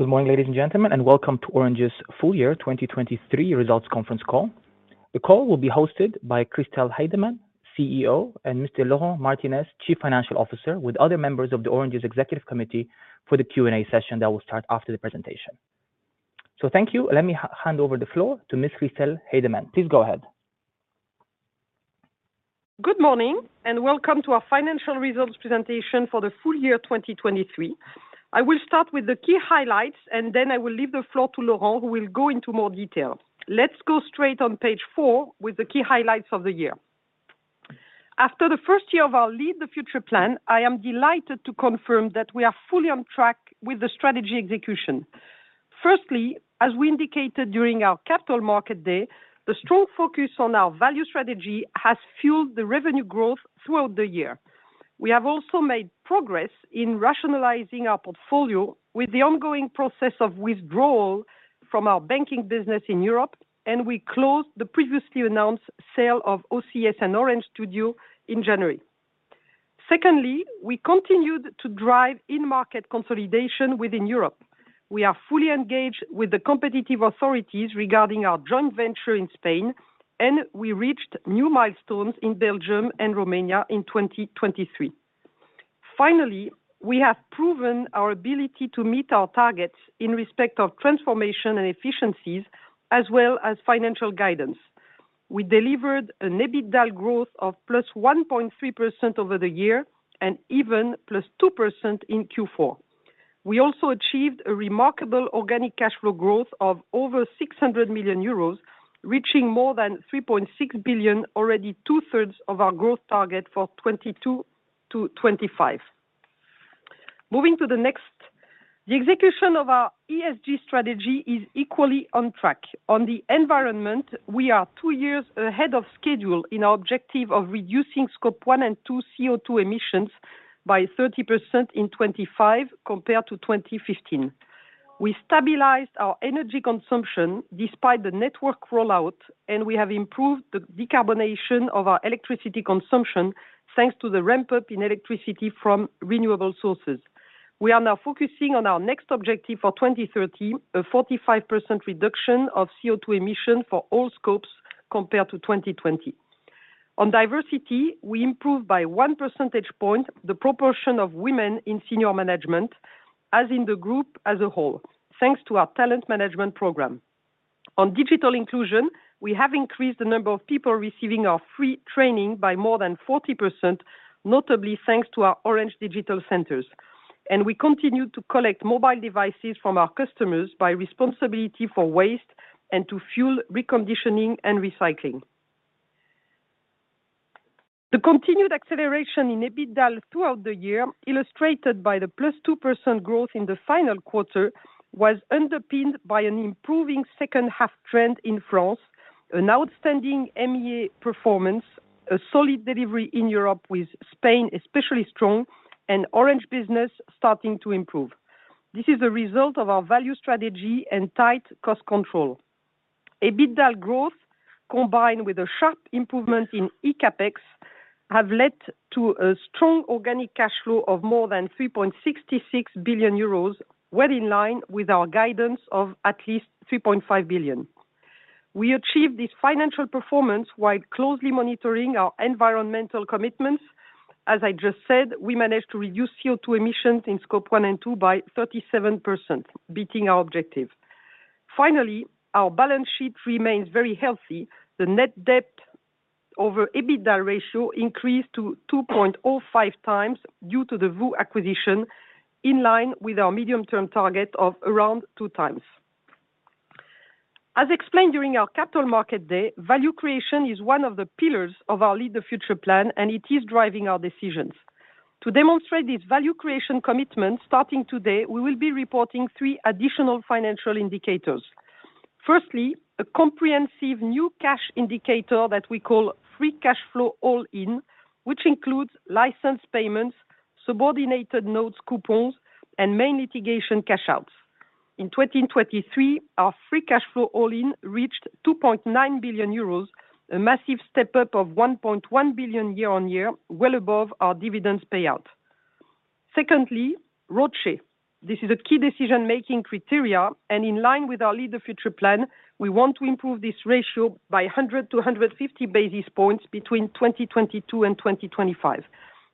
Good morning, ladies and gentlemen, and welcome to Orange's full year 2023 results conference call. The call will be hosted by Christel Heydemann, CEO, and Mr. Laurent Martinez, Chief Financial Officer, with other members of the Orange's Executive Committee for the Q&A session that will start after the presentation. So thank you. Let me hand over the floor to Ms. Christel Heydemann. Please go ahead. Good morning, and welcome to our financial results presentation for the full year 2023. I will start with the key highlights, and then I will leave the floor to Laurent, who will go into more detail. Let's go straight on page 4 with the key highlights of the year. After the first year of our Lead the Future plan, I am delighted to confirm that we are fully on track with the strategy execution. Firstly, as we indicated during our Capital Markets Day, the strong focus on our value strategy has fueled the revenue growth throughout the year. We have also made progress in rationalizing our portfolio with the ongoing process of withdrawal from our banking business in Europe, and we closed the previously announced sale of OCS and Orange Studio in January. Secondly, we continued to drive in-market consolidation within Europe. We are fully engaged with the competitive authorities regarding our joint venture in Spain, and we reached new milestones in Belgium and Romania in 2023. Finally, we have proven our ability to meet our targets in respect of transformation and efficiencies as well as financial guidance. We delivered an EBITDA growth of +1.3% over the year and even +2% in Q4. We also achieved a remarkable organic cash flow growth of over 600 million euros, reaching more than 3.6 billion, already two-thirds of our growth target for 2022-2025. Moving to the next. The execution of our ESG strategy is equally on track. On the environment, we are two years ahead of schedule in our objective of reducing Scope 1 and 2 CO2 emissions by 30% in 2025 compared to 2015. We stabilized our energy consumption despite the network rollout, and we have improved the decarbonization of our electricity consumption, thanks to the ramp-up in electricity from renewable sources. We are now focusing on our next objective for 2030, a 45% reduction of CO2 emission for all scopes compared to 2020. On diversity, we improved by 1 percentage point the proportion of women in senior management, as in the group as a whole, thanks to our talent management program. On digital inclusion, we have increased the number of people receiving our free training by more than 40%, notably thanks to our Orange Digital Centers. We continue to collect mobile devices from our customers by responsibility for waste and to fuel reconditioning and recycling. The continued acceleration in EBITDA throughout the year, illustrated by the +2% growth in the final quarter, was underpinned by an improving second half trend in France, an outstanding MEA performance, a solid delivery in Europe with Spain especially strong, and Orange Business starting to improve. This is a result of our value strategy and tight cost control. EBITDA growth, combined with a sharp improvement in eCAPEX, have led to a strong organic cash flow of more than 3.66 billion euros, well in line with our guidance of at least 3.5 billion. We achieved this financial performance while closely monitoring our environmental commitments. As I just said, we managed to reduce CO2 emissions in Scope 1 and Scope 2 by 37%, beating our objective. Finally, our balance sheet remains very healthy. The net debt over EBITDA ratio increased to 2.05x due to the VOO acquisition, in line with our medium-term target of around 2x. As explained during our Capital Markets Day, value creation is one of the pillars of our Lead the Future plan, and it is driving our decisions. To demonstrate this value creation commitment, starting today, we will be reporting three additional financial indicators. Firstly, a comprehensive new cash indicator that we call free cash flow all-in, which includes license payments, subordinated notes, coupons, and main litigation cash outs. In 2023, our free cash flow all-in reached 2.9 billion euros, a massive step up of 1.1 billion year-over-year, well above our dividends payout. Secondly, ROCE. This is a key decision-making criteria, and in line with our Lead the Future plan, we want to improve this ratio by 100 to 150 basis points between 2022 and 2025.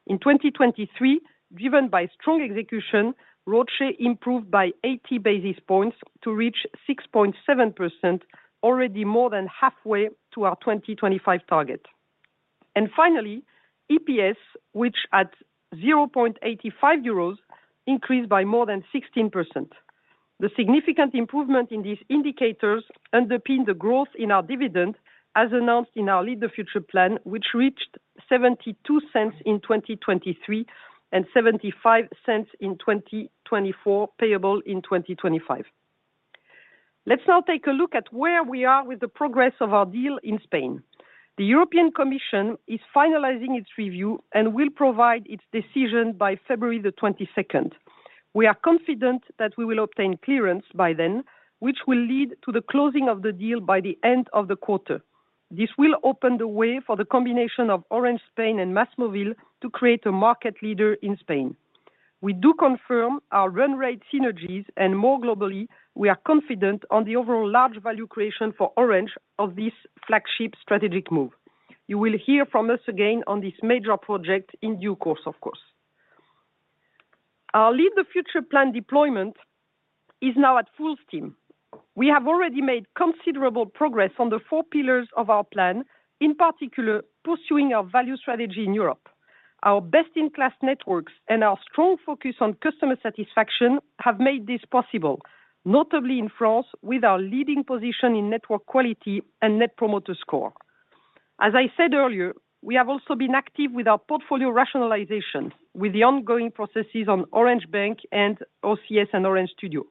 In 2023, driven by strong execution, ROCE improved by 80 basis points to reach 6.7%, already more than halfway to our 2025 target. Finally, EPS, which at 0.85 euros, increased by more than 16%. The significant improvement in these indicators underpin the growth in our dividend, as announced in our Lead the Future plan, which reached 0.72 EUR in 2023 and 0.75 EUR in 2024, payable in 2025. Let's now take a look at where we are with the progress of our deal in Spain. The European Commission is finalizing its review and will provide its decision by February the 22nd. We are confident that we will obtain clearance by then, which will lead to the closing of the deal by the end of the quarter. This will open the way for the combination of Orange Spain and MásMóvil to create a market leader in Spain. We do confirm our run rate synergies, and more globally, we are confident on the overall large value creation for Orange of this flagship strategic move. You will hear from us again on this major project in due course, of course. Our Lead the Future plan deployment is now at full steam. We have already made considerable progress on the four pillars of our plan, in particular, pursuing our value strategy in Europe. Our best-in-class networks and our strong focus on customer satisfaction have made this possible, notably in France, with our leading position in network quality and Net Promoter Score. As I said earlier, we have also been active with our portfolio rationalization, with the ongoing processes on Orange Bank and OCS and Orange Studio.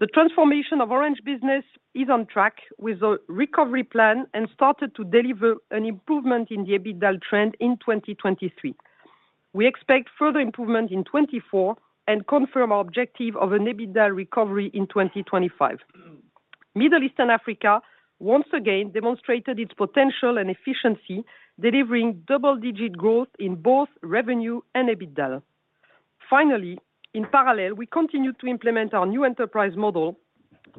The transformation of Orange Business is on track with a recovery plan and started to deliver an improvement in the EBITDA trend in 2023. We expect further improvement in 2024 and confirm our objective of an EBITDA recovery in 2025. Middle East and Africa, once again, demonstrated its potential and efficiency, delivering double-digit growth in both revenue and EBITDA. Finally, in parallel, we continue to implement our new enterprise model,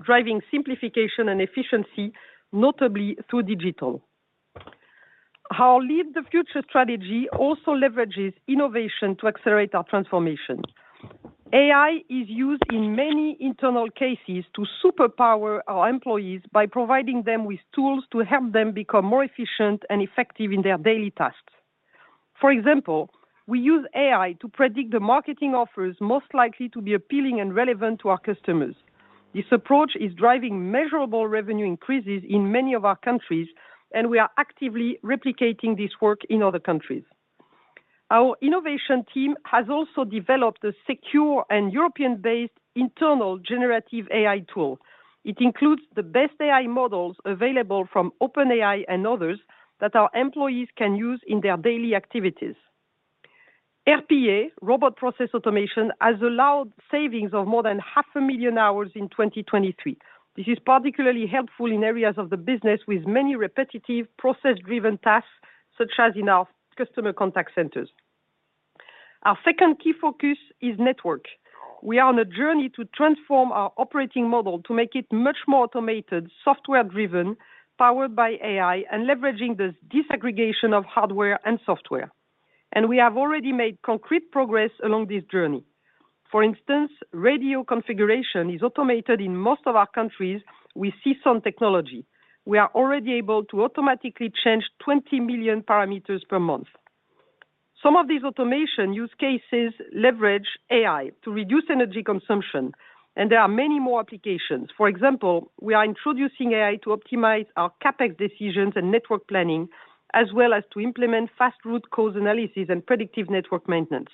driving simplification and efficiency, notably through digital. Our Lead the Future strategy also leverages innovation to accelerate our transformation. AI is used in many internal cases to superpower our employees by providing them with tools to help them become more efficient and effective in their daily tasks. For example, we use AI to predict the marketing offers most likely to be appealing and relevant to our customers. This approach is driving measurable revenue increases in many of our countries, and we are actively replicating this work in other countries. Our innovation team has also developed a secure and European-based internal generative AI tool. It includes the best AI models available from OpenAI and others that our employees can use in their daily activities. RPA, Robotic Process Automation, has allowed savings of more than 500,000 hours in 2023. This is particularly helpful in areas of the business with many repetitive, process-driven tasks, such as in our customer contact centers. Our second key focus is network. We are on a journey to transform our operating model to make it much more automated, software-driven, powered by AI, and leveraging the disaggregation of hardware and software. We have already made concrete progress along this journey. For instance, radio configuration is automated in most of our countries with C-SON technology. We are already able to automatically change 20 million parameters per month. Some of these automation use cases leverage AI to reduce energy consumption, and there are many more applications. For example, we are introducing AI to optimize our CapEx decisions and network planning, as well as to implement fast root cause analysis and predictive network maintenance.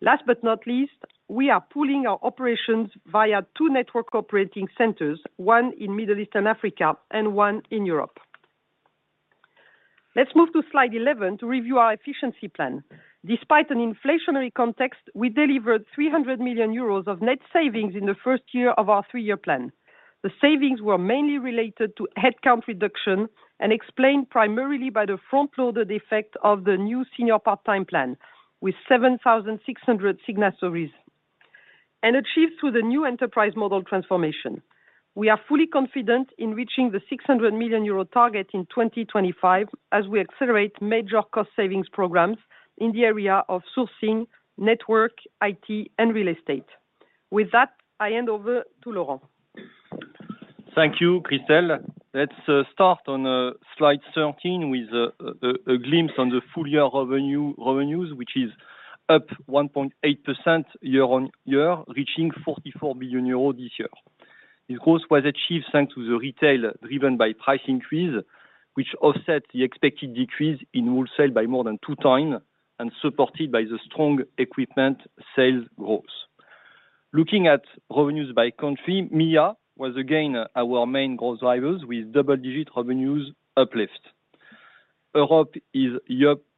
Last but not least, we are pooling our operations via two network operating centers, one in Middle East and Africa and one in Europe. Let's move to slide 11 to review our efficiency plan. Despite an inflationary context, we delivered 300 million euros of net savings in the first year of our three-year plan. The savings were mainly related to headcount reduction and explained primarily by the front-loaded effect of the new senior part-time plan, with 7,600 signatories, and achieved through the new enterprise model transformation. We are fully confident in reaching the 600 million euro target in 2025 as we accelerate major cost savings programs in the area of sourcing, network, IT, and real estate. With that, I hand over to Laurent. Thank you, Christel. Let's start on slide 13 with a glimpse on the full year revenues, which is up 1.8% year-on-year, reaching 44 billion euros this year. This growth was achieved thanks to the retail, driven by price increase, which offset the expected decrease in wholesale by more than two times and supported by the strong equipment sales growth. Looking at revenues by country, MEA was again our main growth drivers, with double-digit revenues uplift. Europe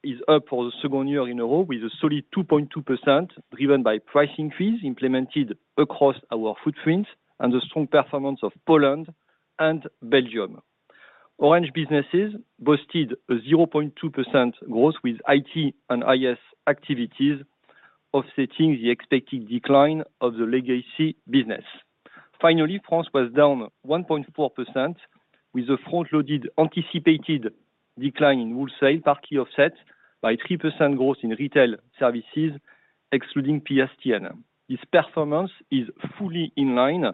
is up for the second year in a row with a solid 2.2%, driven by price increase implemented across our footprints and the strong performance of Poland and Belgium. Orange Business boasted a 0.2% growth with IT and IS activities, offsetting the expected decline of the legacy business. Finally, France was down 1.4%, with a front-loaded anticipated decline in wholesale, partly offset by 3% growth in retail services, excluding PSTN. This performance is fully in line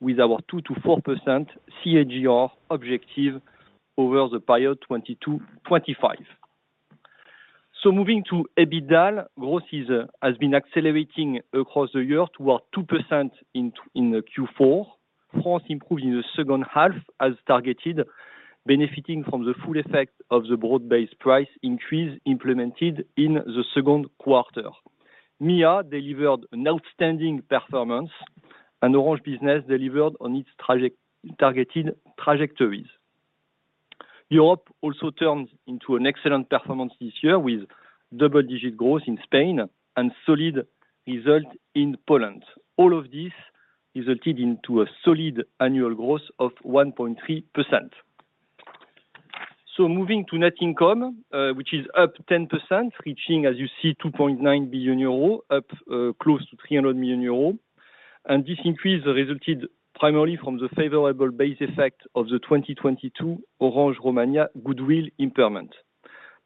with our 2%-4% CAGR objective over the period 2020-2025. So moving to EBITDA, growth has been accelerating across the year, toward 2% in the Q4. France improved in the second half as targeted, benefiting from the full effect of the broad-based price increase implemented in the second quarter. MEA delivered an outstanding performance, and Orange Business delivered on its targeted trajectories. Europe also turned into an excellent performance this year, with double-digit growth in Spain and solid result in Poland. All of this resulted into a solid annual growth of 1.3%. Moving to net income, which is up 10%, reaching, as you see, 2.9 billion euros, up close to 300 million euros. And this increase resulted primarily from the favorable base effect of the 2022 Orange Romania goodwill impairment.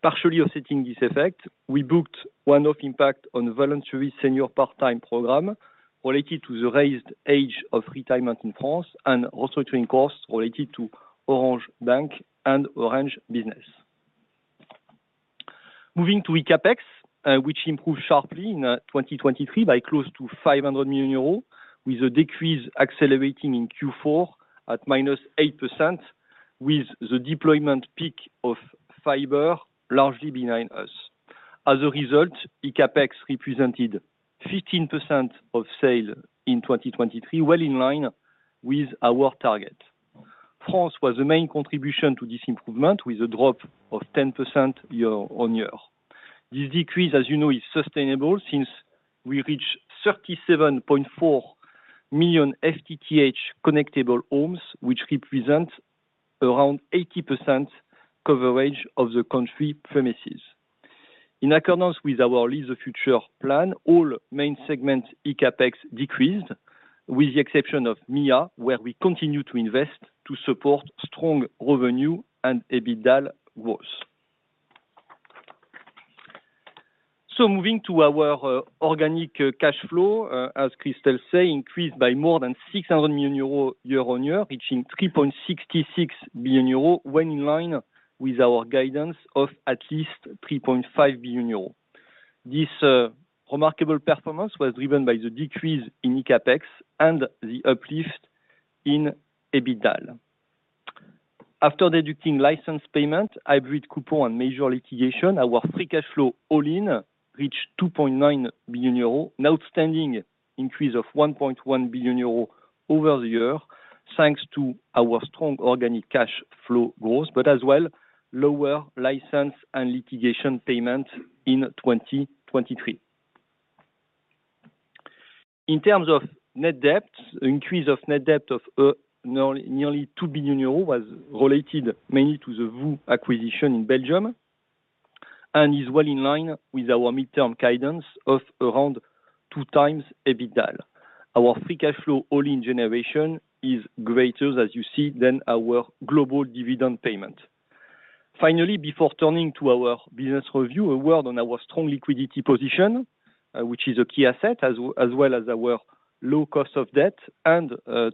Partially offsetting this effect, we booked one-off impact on voluntary senior part-time program related to the raised age of retirement in France and also to the costs related to Orange Bank and Orange Business. Moving to eCAPEX, which improved sharply in 2023 by close to 500 million euros, with a decrease accelerating in Q4 at -8%, with the deployment peak of fiber largely behind us. As a result, eCAPEX represented 15% of sales in 2023, well in line with our target. France was the main contribution to this improvement, with a drop of 10% year-on-year. This decrease, as you know, is sustainable since we reach 37.4 million FTTH connectable homes, which represent around 80% coverage of the country premises. In accordance with our Lead the Future plan, all main segments, eCAPEX decreased, with the exception of MEA, where we continue to invest to support strong revenue and EBITDA growth. So moving to our organic cash flow, as Christel say, increased by more than 600 million euro, year-on-year, reaching 3.66 billion euro, when in line with our guidance of at least 3.5 billion euro. This, remarkable performance was driven by the decrease in eCAPEX and the uplift in EBITDA. After deducting license payment, hybrid coupon, and major litigation, our free cash flow all-in reached 2.9 billion euros, an outstanding increase of 1.1 billion euros over the year, thanks to our strong organic cash flow growth, but as well, lower license and litigation payment in 2023. In terms of net debt, increase of net debt of nearly 2 billion euro was related mainly to the VOO acquisition in Belgium, and is well in line with our midterm guidance of around 2x EBITDA. Our free cash flow all-in generation is greater, as you see, than our global dividend payment. Finally, before turning to our business review, a word on our strong liquidity position, which is a key asset, as well as our low cost of debt and,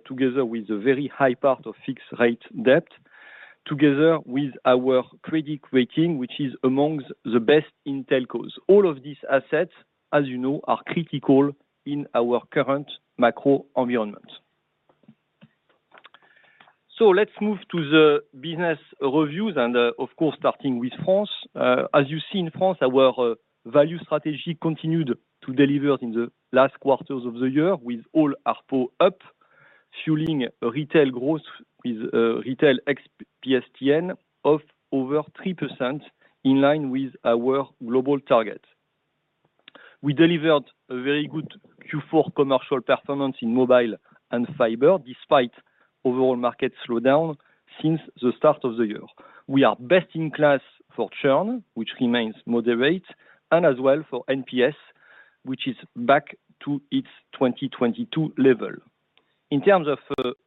together with the very high part of fixed rate debt, together with our credit rating, which is among the best in telcos. All of these assets, as you know, are critical in our current macro environment. So let's move to the business reviews, and, of course, starting with France. As you see in France, our value strategy continued to deliver in the last quarters of the year, with all ARPU up, fueling retail growth with retail ex-PSTN of over 3% in line with our global target. We delivered a very good Q4 commercial performance in mobile and fiber, despite overall market slowdown since the start of the year. We are best in class for churn, which remains moderate, and as well for NPS, which is back to its 2022 level. In terms of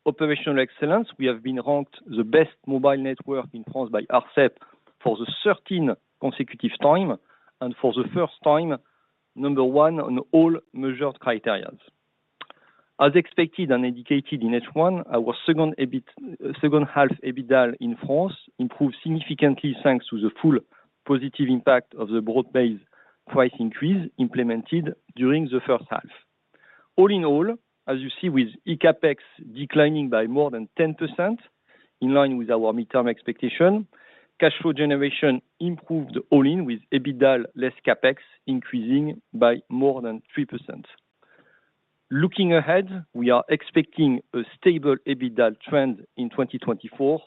operational excellence, we have been ranked the best mobile network in France by ARCEP for the 13th consecutive time, and for the first time, number one on all measured criteria. As expected and indicated in H1, our second half EBITDA in France improved significantly, thanks to the full positive impact of the broad-based price increase implemented during the first half. All in all, as you see with eCAPEX declining by more than 10%, in line with our mid-term expectation, cash flow generation improved all-in with EBITDA less CapEx, increasing by more than 3%. Looking ahead, we are expecting a stable EBITDA trend in 2024,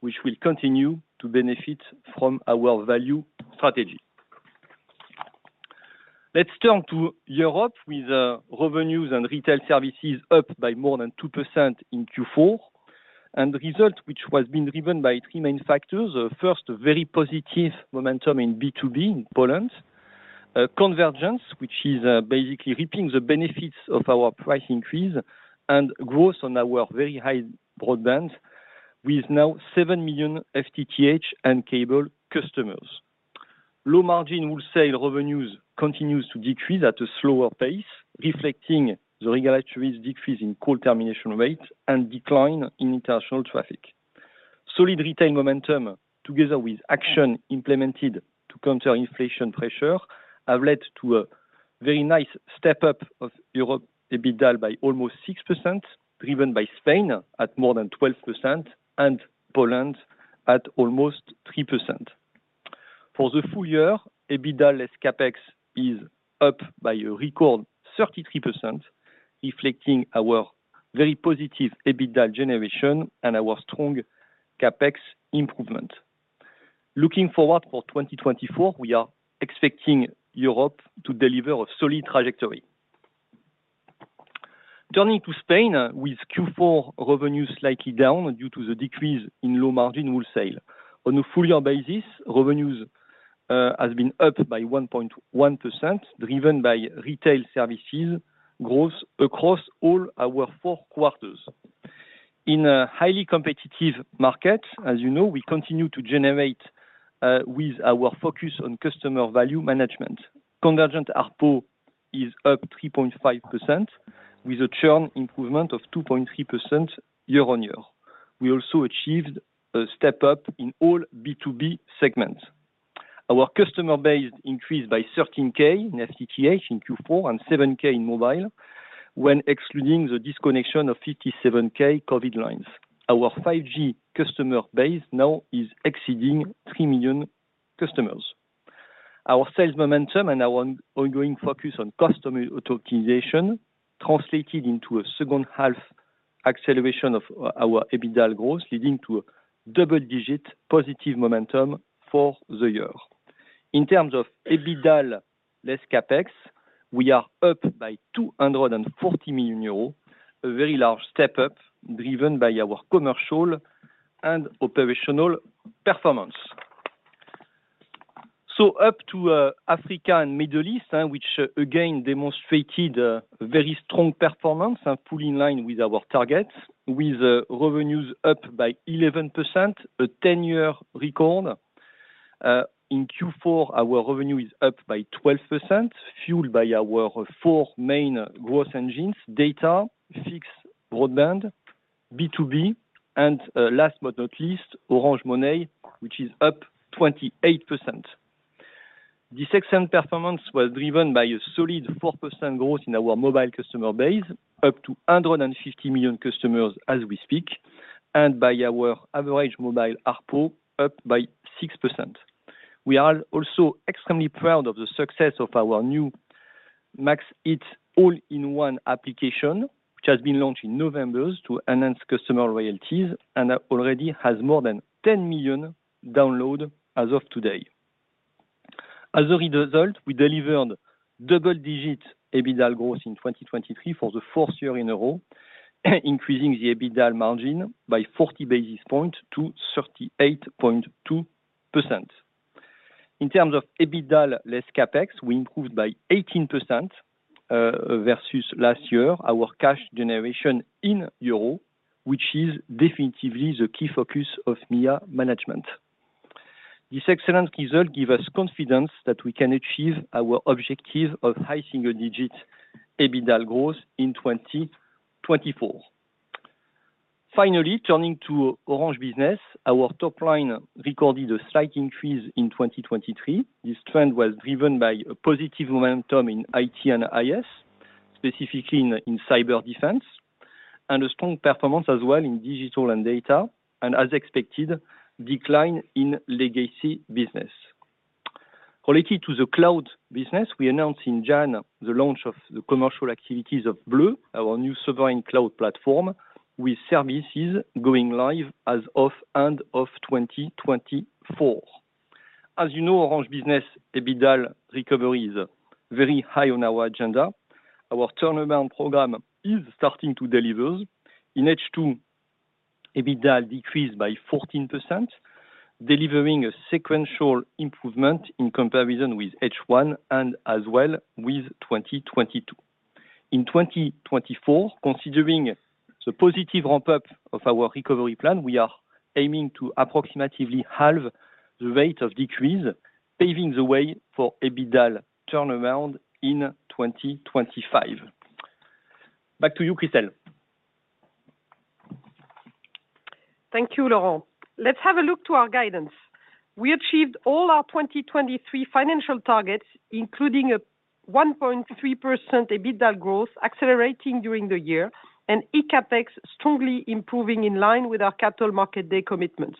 which will continue to benefit from our value strategy. Let's turn to Europe, with revenues and retail services up by more than 2% in Q4, and the result, which was been driven by 3 main factors. The first, very positive momentum in B2B in Poland. Convergence, which is basically reaping the benefits of our price increase and growth on our very high broadband, with now 7 million FTTH and cable customers. Low margin wholesale revenues continues to decrease at a slower pace, reflecting the regulatory's decrease in call termination rates and decline in international traffic. Solid retail momentum, together with action implemented to counter inflation pressure, have led to a very nice step up of Europe EBITDA by almost 6%, driven by Spain at more than 12% and Poland at almost 3%. For the full year, EBITDA less CapEx is up by a record 33%, reflecting our very positive EBITDA generation and our strong CapEx improvement. Looking forward for 2024, we are expecting Europe to deliver a solid trajectory. Turning to Spain, with Q4 revenue slightly down due to the decrease in low-margin wholesale. On a full-year basis, revenues has been up by 1.1%, driven by retail services growth across all our four quarters. In a highly competitive market, as you know, we continue to generate with our focus on customer value management. Convergent ARPU is up 3.5%, with a churn improvement of 2.3% year-on-year. We also achieved a step-up in all B2B segments. Our customer base increased by 13K in FTTH in Q4 and 7K in mobile, when excluding the disconnection of 57K COVID lines. Our 5G customer base now is exceeding 3 million customers. Our sales momentum and our ongoing focus on customer optimization translated into a second-half acceleration of our EBITDA growth, leading to a double-digit positive momentum for the year. In terms of EBITDA less CapEx, we are up by 240 million euros, a very large step-up, driven by our commercial and operational performance. So up to Africa and Middle East, which again demonstrated very strong performance and fully in line with our targets, with revenues up by 11%, a 10-year record. In Q4, our revenue is up by 12%, fueled by our four main growth engines: data, fixed broadband, B2B, and last but not least, Orange Money, which is up 28%. This excellent performance was driven by a solid 4% growth in our mobile customer base, up to 150 million customers as we speak, and by our average mobile ARPU, up by 6%. We are also extremely proud of the success of our new Max It all-in-one application, which has been launched in November to enhance customer loyalties and already has more than 10 million downloads as of today. As a result, we delivered double-digit EBITDA growth in 2023 for the fourth year in a row, increasing the EBITDA margin by 40 basis points to 38.2%. In terms of EBITDA less CapEx, we improved by 18% versus last year, our cash generation in euros, which is definitely the key focus of MEA management. This excellent result give us confidence that we can achieve our objective of high single-digit EBITDA growth in 2024. Finally, turning to Orange Business, our top line recorded a slight increase in 2023. This trend was driven by a positive momentum in IT and IS, specifically in cyber defense, and a strong performance as well in digital and data, and as expected, decline in legacy business. Related to the cloud business, we announced in January the launch of the commercial activities of Bleu, our new sovereign cloud platform, with services going live as of end of 2024. As you know, Orange Business EBITDA recovery is very high on our agenda. Our turnaround program is starting to deliver. In H2, EBITDA decreased by 14%, delivering a sequential improvement in comparison with H1 and as well with 2022. In 2024, considering the positive ramp-up of our recovery plan, we are aiming to approximately halve the rate of decrease, paving the way for EBITDA turnaround in 2025. Back to you, Christel. Thank you, Laurent. Let's have a look to our guidance. We achieved all our 2023 financial targets, including a 1.3% EBITDA growth, accelerating during the year, and eCAPEX strongly improving in line with our Capital Markets Day commitments.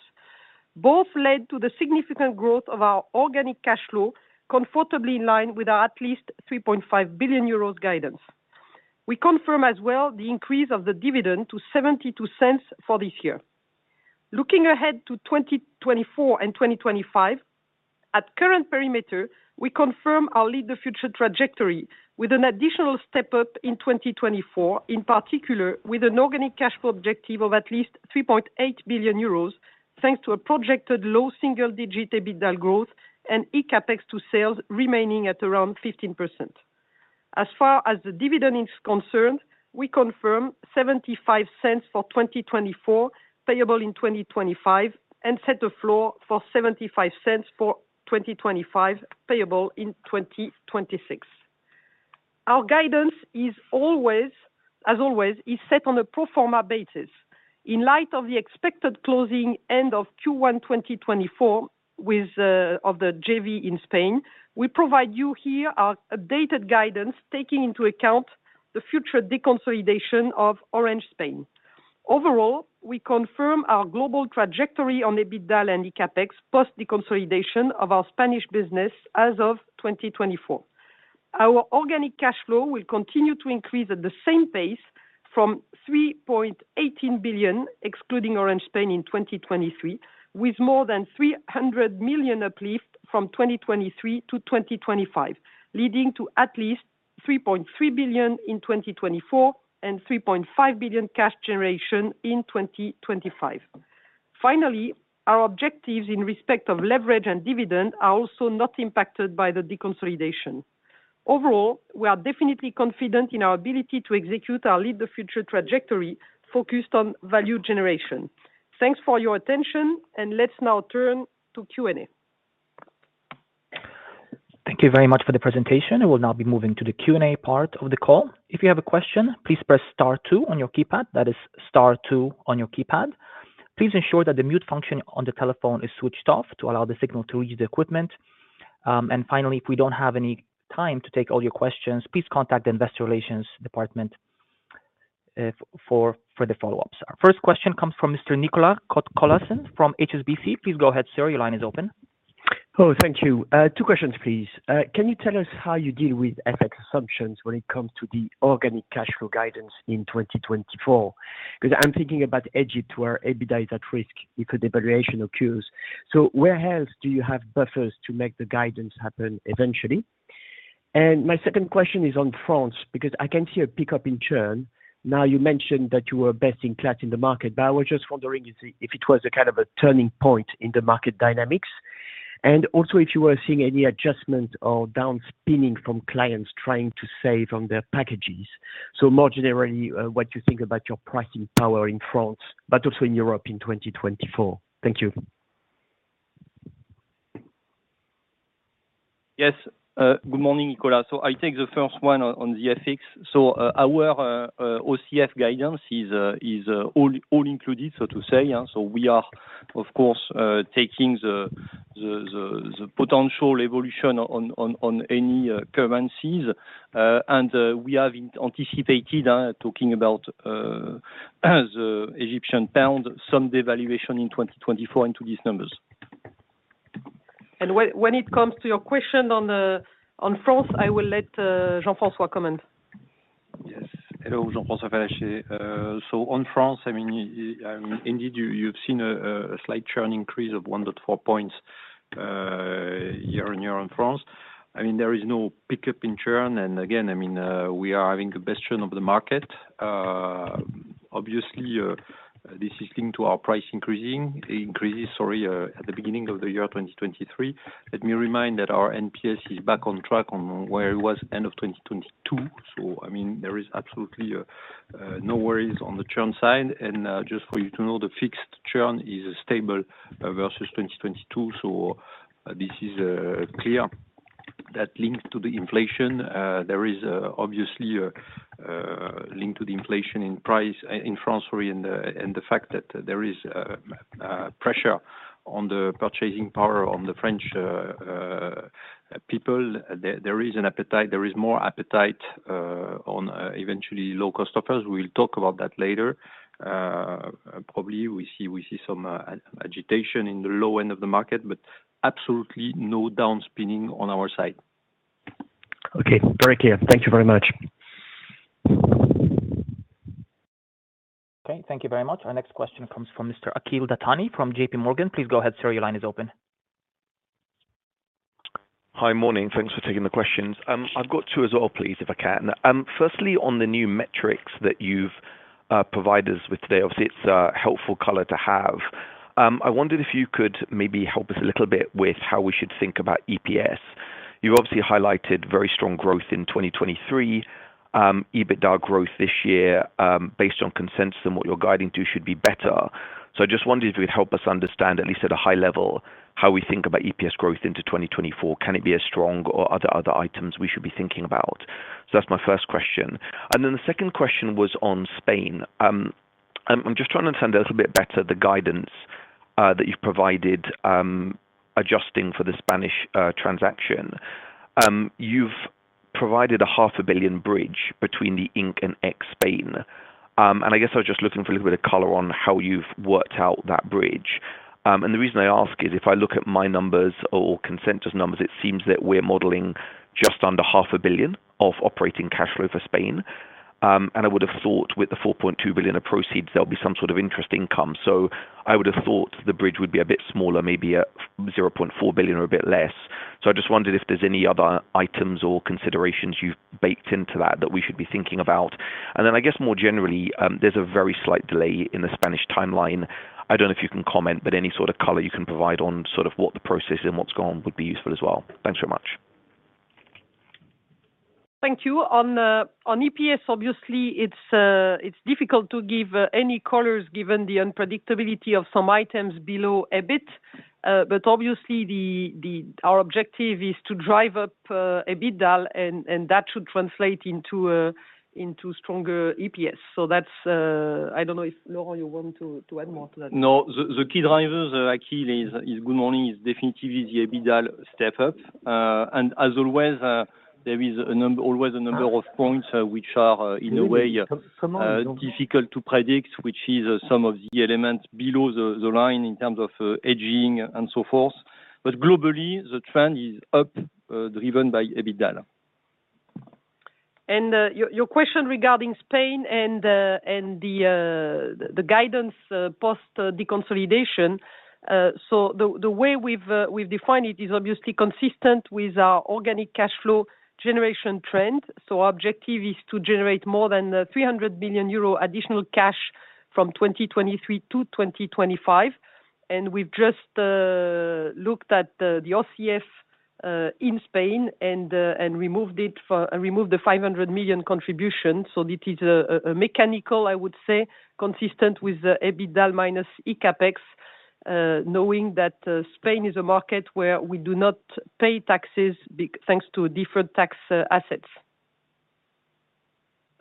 Both led to the significant growth of our organic cash flow, comfortably in line with our at least 3.5 billion euros guidance. We confirm as well the increase of the dividend to 0.72 for this year. Looking ahead to 2024 and 2025, at current perimeter, we confirm our Lead the Future trajectory with an additional step-up in 2024, in particular, with an organic cash flow objective of at least 3.8 billion euros, thanks to a projected low single-digit EBITDA growth and eCAPEX to sales remaining at around 15%. As far as the dividend is concerned, we confirm 0.75 for 2024, payable in 2025, and set the floor for 0.75 for 2025, payable in 2026. Our guidance is always as always, is set on a pro forma basis. In light of the expected closing end of Q1 2024 with of the JV in Spain, we provide you here our updated guidance, taking into account the future deconsolidation of Orange Spain. Overall, we confirm our global trajectory on EBITDA and eCAPEX, post deconsolidation of our Spanish business as of 2024. Our organic cash flow will continue to increase at the same pace from 3.18 billion, excluding Orange Spain in 2023, with more than 300 million uplift from 2023 to 2025, leading to at least 3.3 billion in 2024 and 3.5 billion cash generation in 2025. Finally, our objectives in respect of leverage and dividend are also not impacted by the deconsolidation. Overall, we are definitely confident in our ability to execute our Lead the Future trajectory focused on value generation. Thanks for your attention, and let's now turn to Q&A. Thank you very much for the presentation. We will now be moving to the Q&A part of the call. If you have a question, please press star two on your keypad. That is star two on your keypad. Please ensure that the mute function on the telephone is switched off to allow the signal to reach the equipment. And finally, if we don't have any time to take all your questions, please contact the investor relations department for the follow-ups. Our first question comes from Mr. Nicolas Cote-Colisson from HSBC. Please go ahead, sir. Your line is open. Oh, thank you. Two questions, please. Can you tell us how you deal with FX assumptions when it comes to the organic cash flow guidance in 2024? Because I'm thinking about Egypt, where EBITDA is at risk because devaluation occurs. So where else do you have buffers to make the guidance happen eventually? And my second question is on France, because I can see a pickup in churn. Now, you mentioned that you were best in class in the market, but I was just wondering if it, if it was a kind of a turning point in the market dynamics. And also, if you were seeing any adjustment or downspinning from clients trying to save on their packages. So more generally, what you think about your pricing power in France, but also in Europe in 2024. Thank you. Yes. Good morning, Nicolas. So I take the first one on, on the FX. So, our OCF guidance is, is all, all included, so to say. So we are, of course, taking the, the, the, the potential evolution on, on, on any currencies, and we have anticipated, talking about the Egyptian pound, some devaluation in 2024 into these numbers. When it comes to your question on France, I will let Jean-François comment. Yes. Hello, Jean-François Fallacher. So on France, I mean, indeed, you, you've seen a, a slight churn increase of 1-4 points, year-on-year on France. I mean, there is no pickup in churn. And again, I mean, we are having the best churn of the market. Obviously, this is linked to our price increasing, increases, sorry, at the beginning of the year 2023. Let me remind that our NPS is back on track on where it was end of 2022. So, I mean, there is absolutely, no worries on the churn side. And, just for you to know, the fixed churn is stable versus 2022, so this is, clear. That linked to the inflation, there is obviously linked to the inflation in price in France, where in the fact that there is pressure on the purchasing power on the French people. There is an appetite, there is more appetite on eventually low-cost offers. We'll talk about that later. Probably, we see, we see some agitation in the low end of the market, but absolutely no downspinning on our side. Okay, very clear. Thank you very much. Okay, thank you very much. Our next question comes from Mr. Akhil Dattani from JP Morgan. Please go ahead, sir. Your line is open. Hi, morning. Thanks for taking the questions. I've got two as well, please, if I can. Firstly, on the new metrics that you've provided us with today, obviously, it's a helpful color to have. I wondered if you could maybe help us a little bit with how we should think about EPS. You obviously highlighted very strong growth in 2023, EBITDA growth this year, based on consensus, and what you're guiding to should be better. So I just wondered if you would help us understand, at least at a high level, how we think about EPS growth into 2024. Can it be as strong or are there other items we should be thinking about? So that's my first question. And then the second question was on Spain. I'm just trying to understand a little bit better the guidance that you've provided, adjusting for the Spanish transaction. You've provided a half a billion bridge between the in and ex-Spain. I guess I was just looking for a little bit of color on how you've worked out that bridge. The reason I ask is if I look at my numbers or consensus numbers, it seems that we're modeling just under half a billion of operating cash flow for Spain. I would have thought with the 4.2 billion of proceeds, there'll be some sort of interest income. So I would have thought the bridge would be a bit smaller, maybe a 0.4 billion or a bit less. So I just wondered if there's any other items or considerations you've baked into that, that we should be thinking about. And then I guess more generally, there's a very slight delay in the Spanish timeline. I don't know if you can comment, but any sort of color you can provide on sort of what the process and what's gone would be useful as well. Thanks so much. Thank you. On EPS, obviously, it's difficult to give any colors given the unpredictability of some items below EBIT. But obviously, our objective is to drive up EBITDA, and that should translate into stronger EPS. So that's I don't know if, Laurent, you want to add more to that? No, the key drivers, Akhil, is good morning, is definitively the EBITDA step up. And as always, there is always a number of points which are, in a way, difficult to predict, which is some of the elements below the line in terms of hedging and so forth. But globally, the trend is up, driven by EBITDA. And, your question regarding Spain and the guidance post deconsolidation, so the way we've defined it is obviously consistent with our organic cash flow generation trend. So objective is to generate more than 300 billion euro additional cash from 2023 to 2025, and we've just looked at the OCF in Spain and removed the 500 million contribution. So this is a mechanical, I would say, consistent with the EBITDA minus eCAPEX, knowing that Spain is a market where we do not pay taxes big thanks to different tax assets.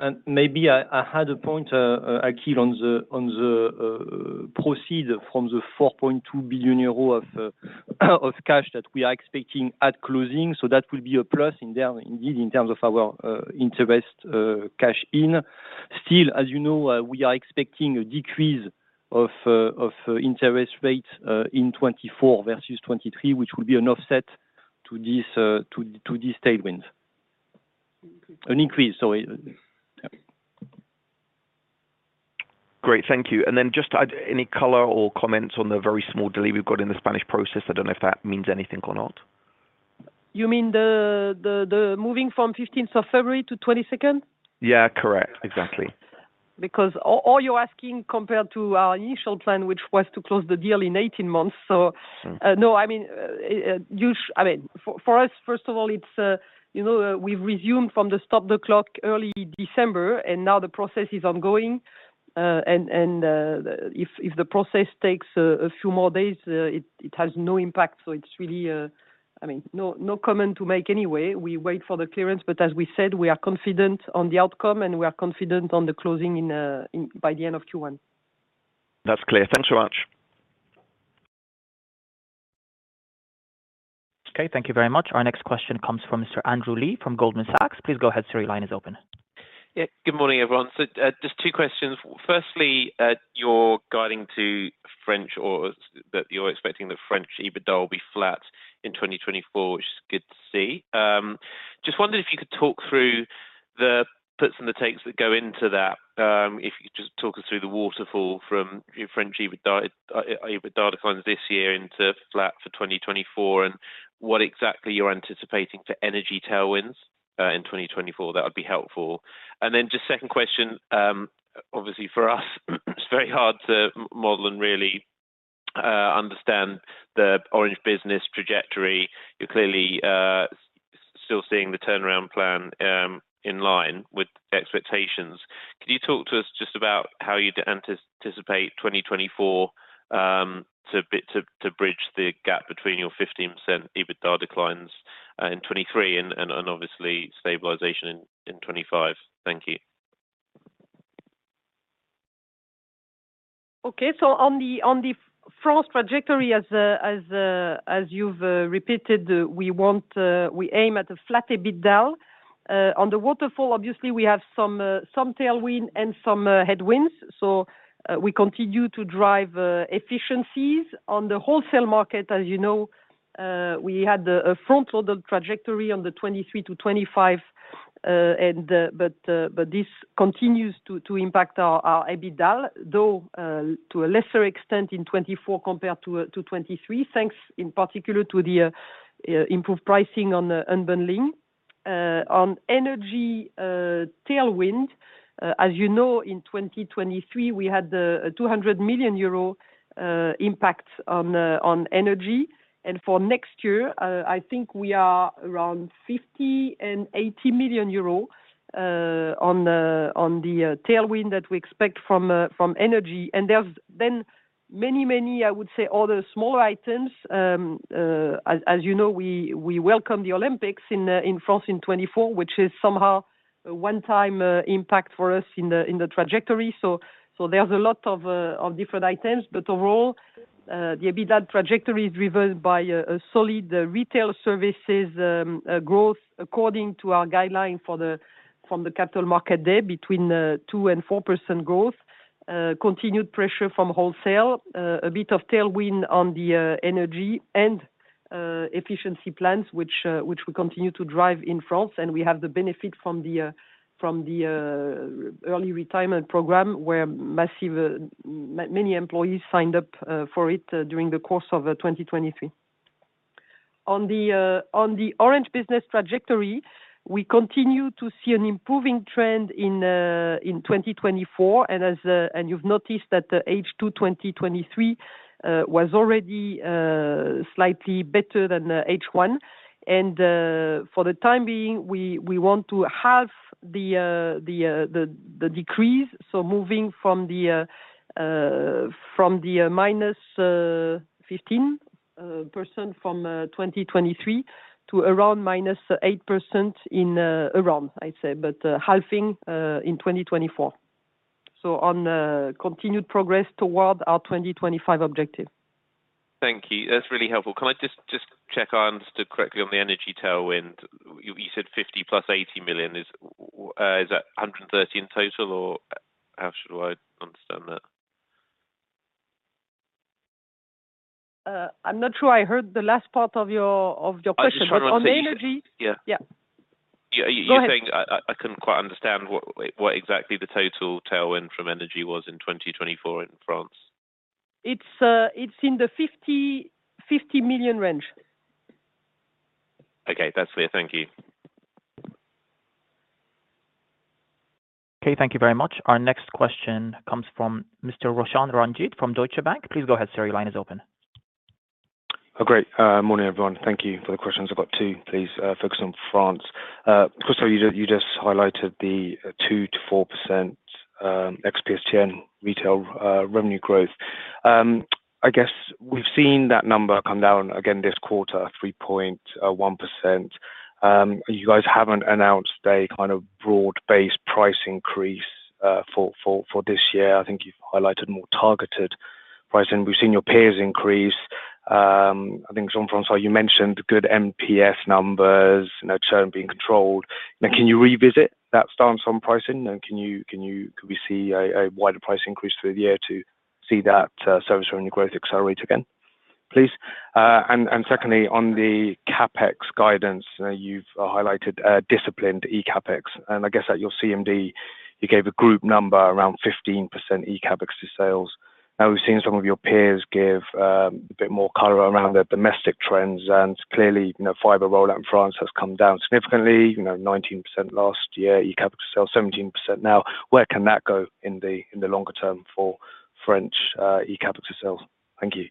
And maybe I had a point, Akhil, on the proceeds from the 4.2 billion euros of cash that we are expecting at closing. So that will be a plus in there, indeed, in terms of our interest cash in. Still, as you know, we are expecting a decrease of interest rates in 2024 versus 2023, which will be an offset to this tailwind. An increase, so, yep. Great, thank you. And then just add any color or comments on the very small delay we've got in the Spanish process. I don't know if that means anything or not? You mean the moving from 15th of February to 22nd? Yeah, correct. Exactly. Because all you're asking compared to our initial plan, which was to close the deal in 18 months. So- Sure. No, I mean, for us, first of all, it's, you know, we've resumed from the stop the clock early December, and now the process is ongoing. If the process takes a few more days, it has no impact. So it's really, I mean, no comment to make anyway. We wait for the clearance, but as we said, we are confident on the outcome, and we are confident on the closing in by the end of Q1. That's clear. Thanks so much. Okay, thank you very much. Our next question comes from Mr. Andrew Lee from Goldman Sachs. Please go ahead, sir. Your line is open. Yeah. Good morning, everyone. So, just two questions. Firstly, you're guiding to French, or that you're expecting the French EBITDA will be flat in 2024, which is good to see. Just wondered if you could talk through the puts and the takes that go into that. If you could just talk us through the waterfall from your French EBITDA, EBITDA declines this year into flat for 2024, and what exactly you're anticipating for energy tailwinds, in 2024, that would be helpful. And then just second question, obviously for us, it's very hard to model and really, understand the Orange Business trajectory. You're clearly, still seeing the turnaround plan, in line with expectations. Could you talk to us just about how you'd anticipate 2024 to bridge the gap between your 15% EBITDA declines in 2023 and obviously stabilization in 2025? Thank you. Okay. So on the France trajectory as you've repeated, we want, we aim at a flat EBITDA. On the waterfall, obviously, we have some tailwind and some headwinds, so we continue to drive efficiencies. On the wholesale market, as you know, we had a front-loaded trajectory on the 2023 to 2025, and but this continues to impact our EBITDA, though, to a lesser extent in 2024 compared to 2023, thanks in particular to the improved pricing on the unbundling. On energy, tailwind, as you know, in 2023, we had 200 million euro impact on energy. For next year, I think we are around 50 million-80 million euros on the tailwind that we expect from energy. And there's then many, many, I would say, other smaller items. As you know, we welcome the Olympics in France in 2024, which is somehow a one-time impact for us in the trajectory. So, there's a lot of different items, but overall, the EBITDA trajectory is driven by a solid retail services growth, according to our guideline from the Capital Markets Day, between 2%-4% growth, continued pressure from wholesale, a bit of tailwind on the energy and efficiency plans, which we continue to drive in France, and we have the benefit from the early retirement program, where many employees signed up for it during the course of 2023. On the Orange Business trajectory, we continue to see an improving trend in 2024, and you've noticed that the H2 2023 was already slightly better than the H1. For the time being, we want to have the decrease, so moving from the minus 15% from 2023 to around minus 8% in around, I'd say, but halving in 2024. So on continued progress toward our 2025 objective. Thank you. That's really helpful. Can I just check I understood correctly on the energy tailwind? You said 50 million + 80 million. Is that 130 million in total, or how should I understand that? I'm not sure I heard the last part of your question- I'm just trying to understand. On the energy. Yeah. Yeah. You, you- Go ahead Were saying, I couldn't quite understand what, like, what exactly the total tailwind from energy was in 2024 in France. It's in the 50 million range. Okay, that's clear. Thank you. Okay, thank you very much. Our next question comes from Mr. Roshan Ranjit from Deutsche Bank. Please go ahead, sir. Your line is open. Oh, great. Morning, everyone. Thank you for the questions. I've got two, please, focus on France. First of all, you just highlighted the 2%-4% ex-PSTN retail revenue growth. I guess we've seen that number come down again this quarter, 3.1%. You guys haven't announced a kind of broad-based price increase for this year. I think you've highlighted more targeted pricing. We've seen your peers increase. I think, Jean-François, you mentioned good NPS numbers, you know, churn being controlled. Now, can you revisit that stance on pricing? And could we see a wider price increase through the year to see that service revenue growth accelerate again, please? And secondly, on the CapEx guidance, you've highlighted a disciplined eCAPEX, and I guess at your CMD, you gave a group number around 15% eCAPEX to sales. Now, we've seen some of your peers give a bit more color around the domestic trends, and clearly, you know, fiber rollout in France has come down significantly, you know, 19% last year, eCAPEX sales, 17% now. Where can that go in the longer term for French eCAPEX sales? Thank you.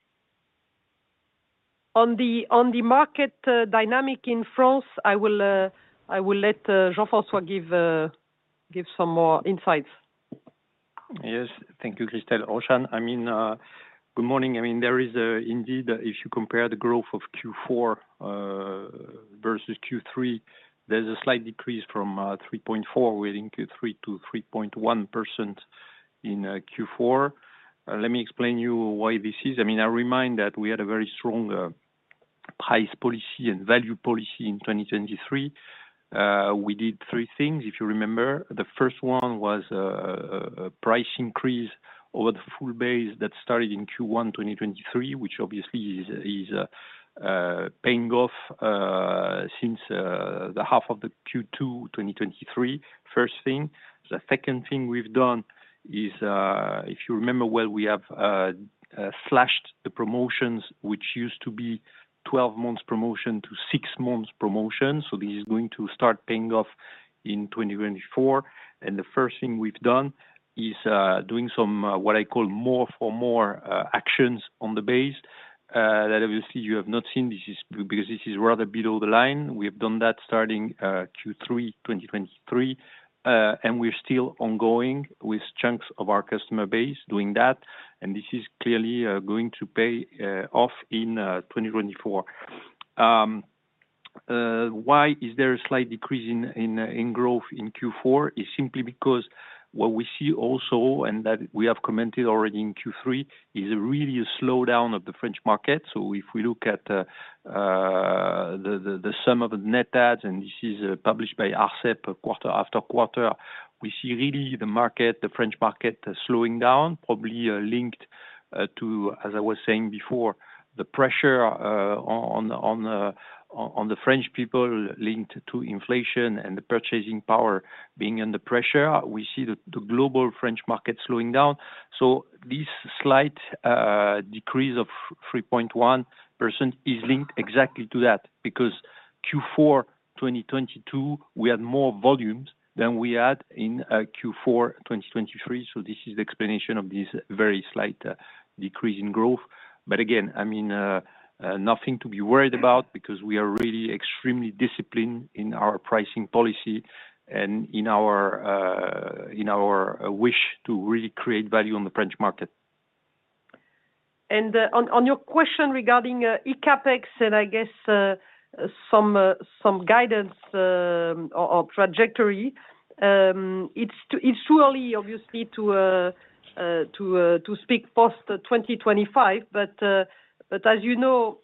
On the market dynamic in France, I will let Jean-François give some more insights. Yes. Thank you, Christel. Roshan, I mean, good morning. I mean, there is, indeed, if you compare the growth of Q4 versus Q3, there's a slight decrease from 3.4, we think 3 to 3.1% in Q4. Let me explain you why this is. I mean, I remind that we had a very strong price policy and value policy in 2023. We did three things, if you remember. The first one was a price increase over the full base that started in Q1 2023, which obviously is paying off since the half of the Q2 2023. First thing. The second thing we've done is, if you remember well, we have slashed the promotions, which used to be 12 months promotion to 6 months promotion. So this is going to start paying off in 2024. The first thing we've done is doing some what I call more for more actions on the base that obviously you have not seen. This is because this is rather below the line. We have done that starting Q3 2023 and we're still ongoing with chunks of our customer base doing that, and this is clearly going to pay off in 2024. Why is there a slight decrease in growth in Q4? Is simply because what we see also, and that we have commented already in Q3, is really a slowdown of the French market. So if we look at the sum of the net adds, and this is published by ARCEP quarter after quarter, we see really the market, the French market, slowing down, probably linked to, as I was saying before, the pressure on the French people linked to inflation and the purchasing power being under pressure. We see the global French market slowing down. So this slight decrease of 3.1% is linked exactly to that, because Q4 2022, we had more volumes than we had in Q4 2023. So this is the explanation of this very slight decrease in growth. But again, I mean, nothing to be worried about because we are really extremely disciplined in our pricing policy and in our wish to really create value on the French market. And on your question regarding eCAPEX, and I guess some guidance or trajectory, it's too early, obviously, to speak post-2025, but as you know,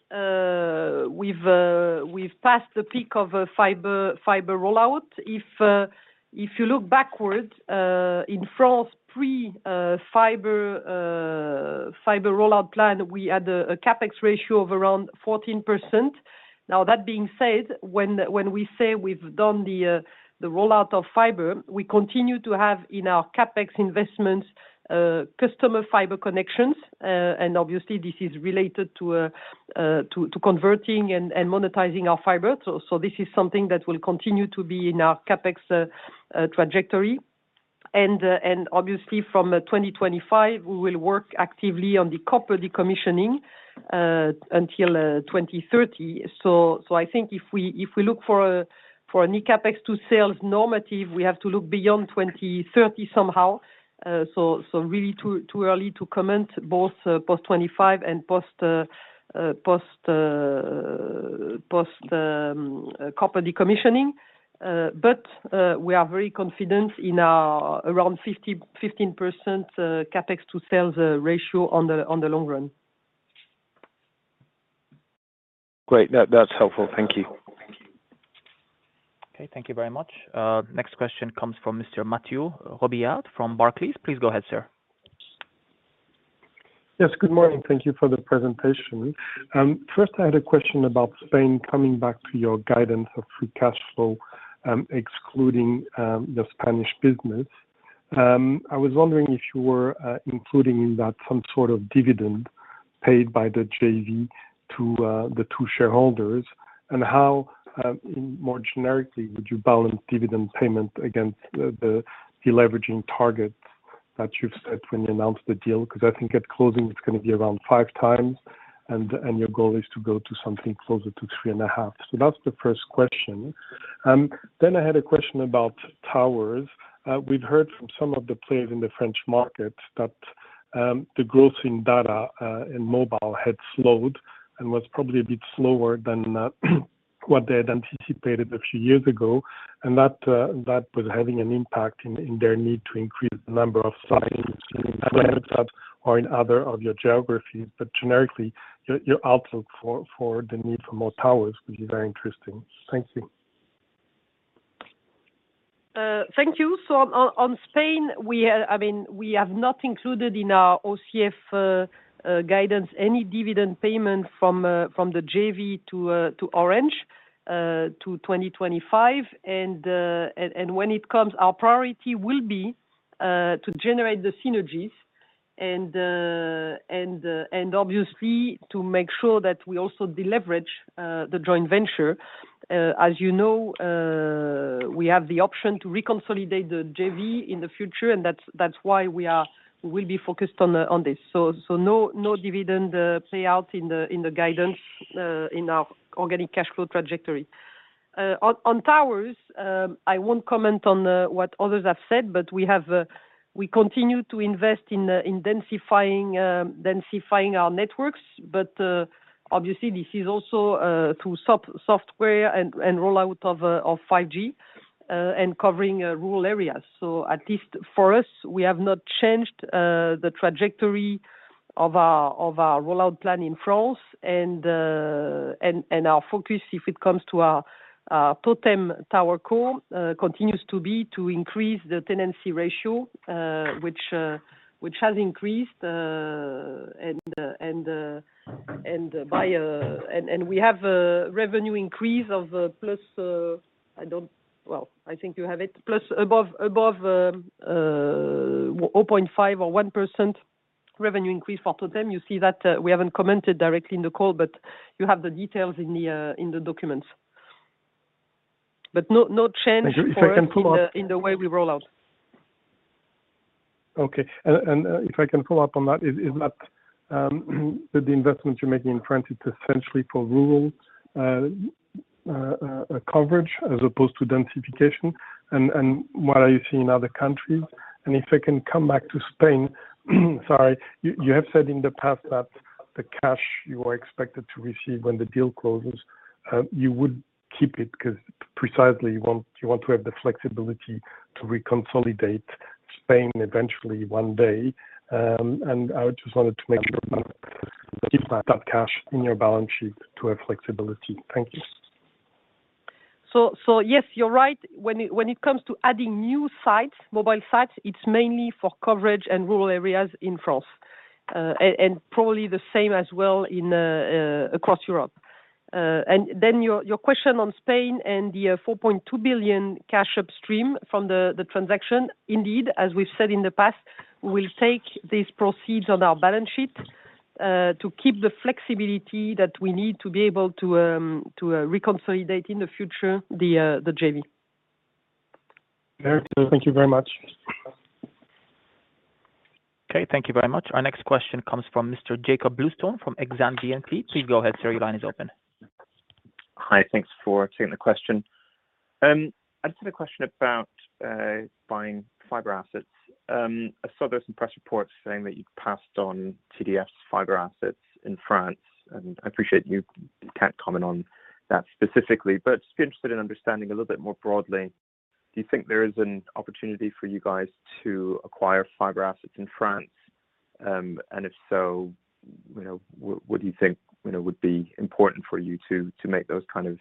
we've passed the peak of a fiber rollout. If you look backwards in France, pre-fiber rollout plan, we had a CapEx ratio of around 14%. Now, that being said, when we say we've done the rollout of fiber, we continue to have in our CapEx investments customer fiber connections, and obviously, this is related to converting and monetizing our fiber. So this is something that will continue to be in our CapEx trajectory. Obviously from 2025, we will work actively on the copper decommissioning until 2030. So I think if we look for a new CapEx to sales normative, we have to look beyond 2030 somehow. So really too early to comment, both post 2025 and post copper decommissioning. But we are very confident in our around 50-15% CapEx to sales ratio on the long run. Great. That, that's helpful. Thank you. Okay, thank you very much. Next question comes from Mr. Mathieu Robilliard from Barclays. Please go ahead, sir. Yes, good morning. Thank you for the presentation. First, I had a question about Spain coming back to your guidance of free cash flow, excluding the Spanish business. I was wondering if you were including in that some sort of dividend paid by the JV to the two shareholders, and how, more generically, would you balance dividend payment against the deleveraging targets that you've set when you announced the deal? Because I think at closing, it's gonna be around 5x, and your goal is to go to something closer to 3.5x. So that's the first question. Then I had a question about towers. We'd heard from some of the players in the French market that the growth in data in mobile had slowed and was probably a bit slower than what they had anticipated a few years ago, and that that was having an impact in their need to increase the number of sites in or other of your geographies. But generically, your outlook for the need for more towers would be very interesting. Thank you. Thank you. So on Spain, I mean, we have not included in our OCF guidance any dividend payment from the JV to Orange to 2025. And when it comes, our priority will be to generate the synergies and obviously to make sure that we also deleverage the joint venture. As you know, we have the option to reconsolidate the JV in the future, and that's why we'll be focused on this. So no dividend play out in the guidance in our organic cash flow trajectory. On towers, I won't comment on what others have said, but we continue to invest in densifying our networks. But, obviously, this is also through software and rollout of 5G and covering rural areas. So at least for us, we have not changed the trajectory of our rollout plan in France. And our focus, if it comes to our Totem TowerCo, continues to be to increase the tenancy ratio, which has increased. And we have a revenue increase of plus. Well, I think you have it. Plus above 0.5% or 1% revenue increase for Totem. You see that we haven't commented directly in the call, but you have the details in the documents. But no, no change in the- If I can follow up. In the way we roll out. Okay. And if I can follow up on that, is that the investment you're making in France, it's essentially for rural coverage as opposed to densification? And what are you seeing in other countries? And if I can come back to Spain, sorry. You have said in the past that the cash you are expected to receive when the deal closes, you would keep it because precisely you want to have the flexibility to reconsolidate Spain eventually one day. And I just wanted to make sure that you keep that cash in your balance sheet to have flexibility. Thank you. Yes, you're right. When it comes to adding new sites, mobile sites, it's mainly for coverage and rural areas in France, and probably the same as well across Europe. And then your question on Spain and the 4.2 billion cash upstream from the transaction. Indeed, as we've said in the past, we'll take these proceeds on our balance sheet, to keep the flexibility that we need to be able to reconsolidate in the future the JV. Thank you very much. Okay, thank you very much. Our next question comes from Mr. Jakob Bluestone from Exane BNP. Please go ahead, sir. Your line is open. Hi, thanks for taking the question. I just had a question about buying fiber assets. I saw there some press reports saying that you passed on TDF's fiber assets in France, and I appreciate you can't comment on that specifically. But just be interested in understanding a little bit more broadly, do you think there is an opportunity for you guys to acquire fiber assets in France? And if so, you know, what, what do you think, you know, would be important for you to, to make those kind of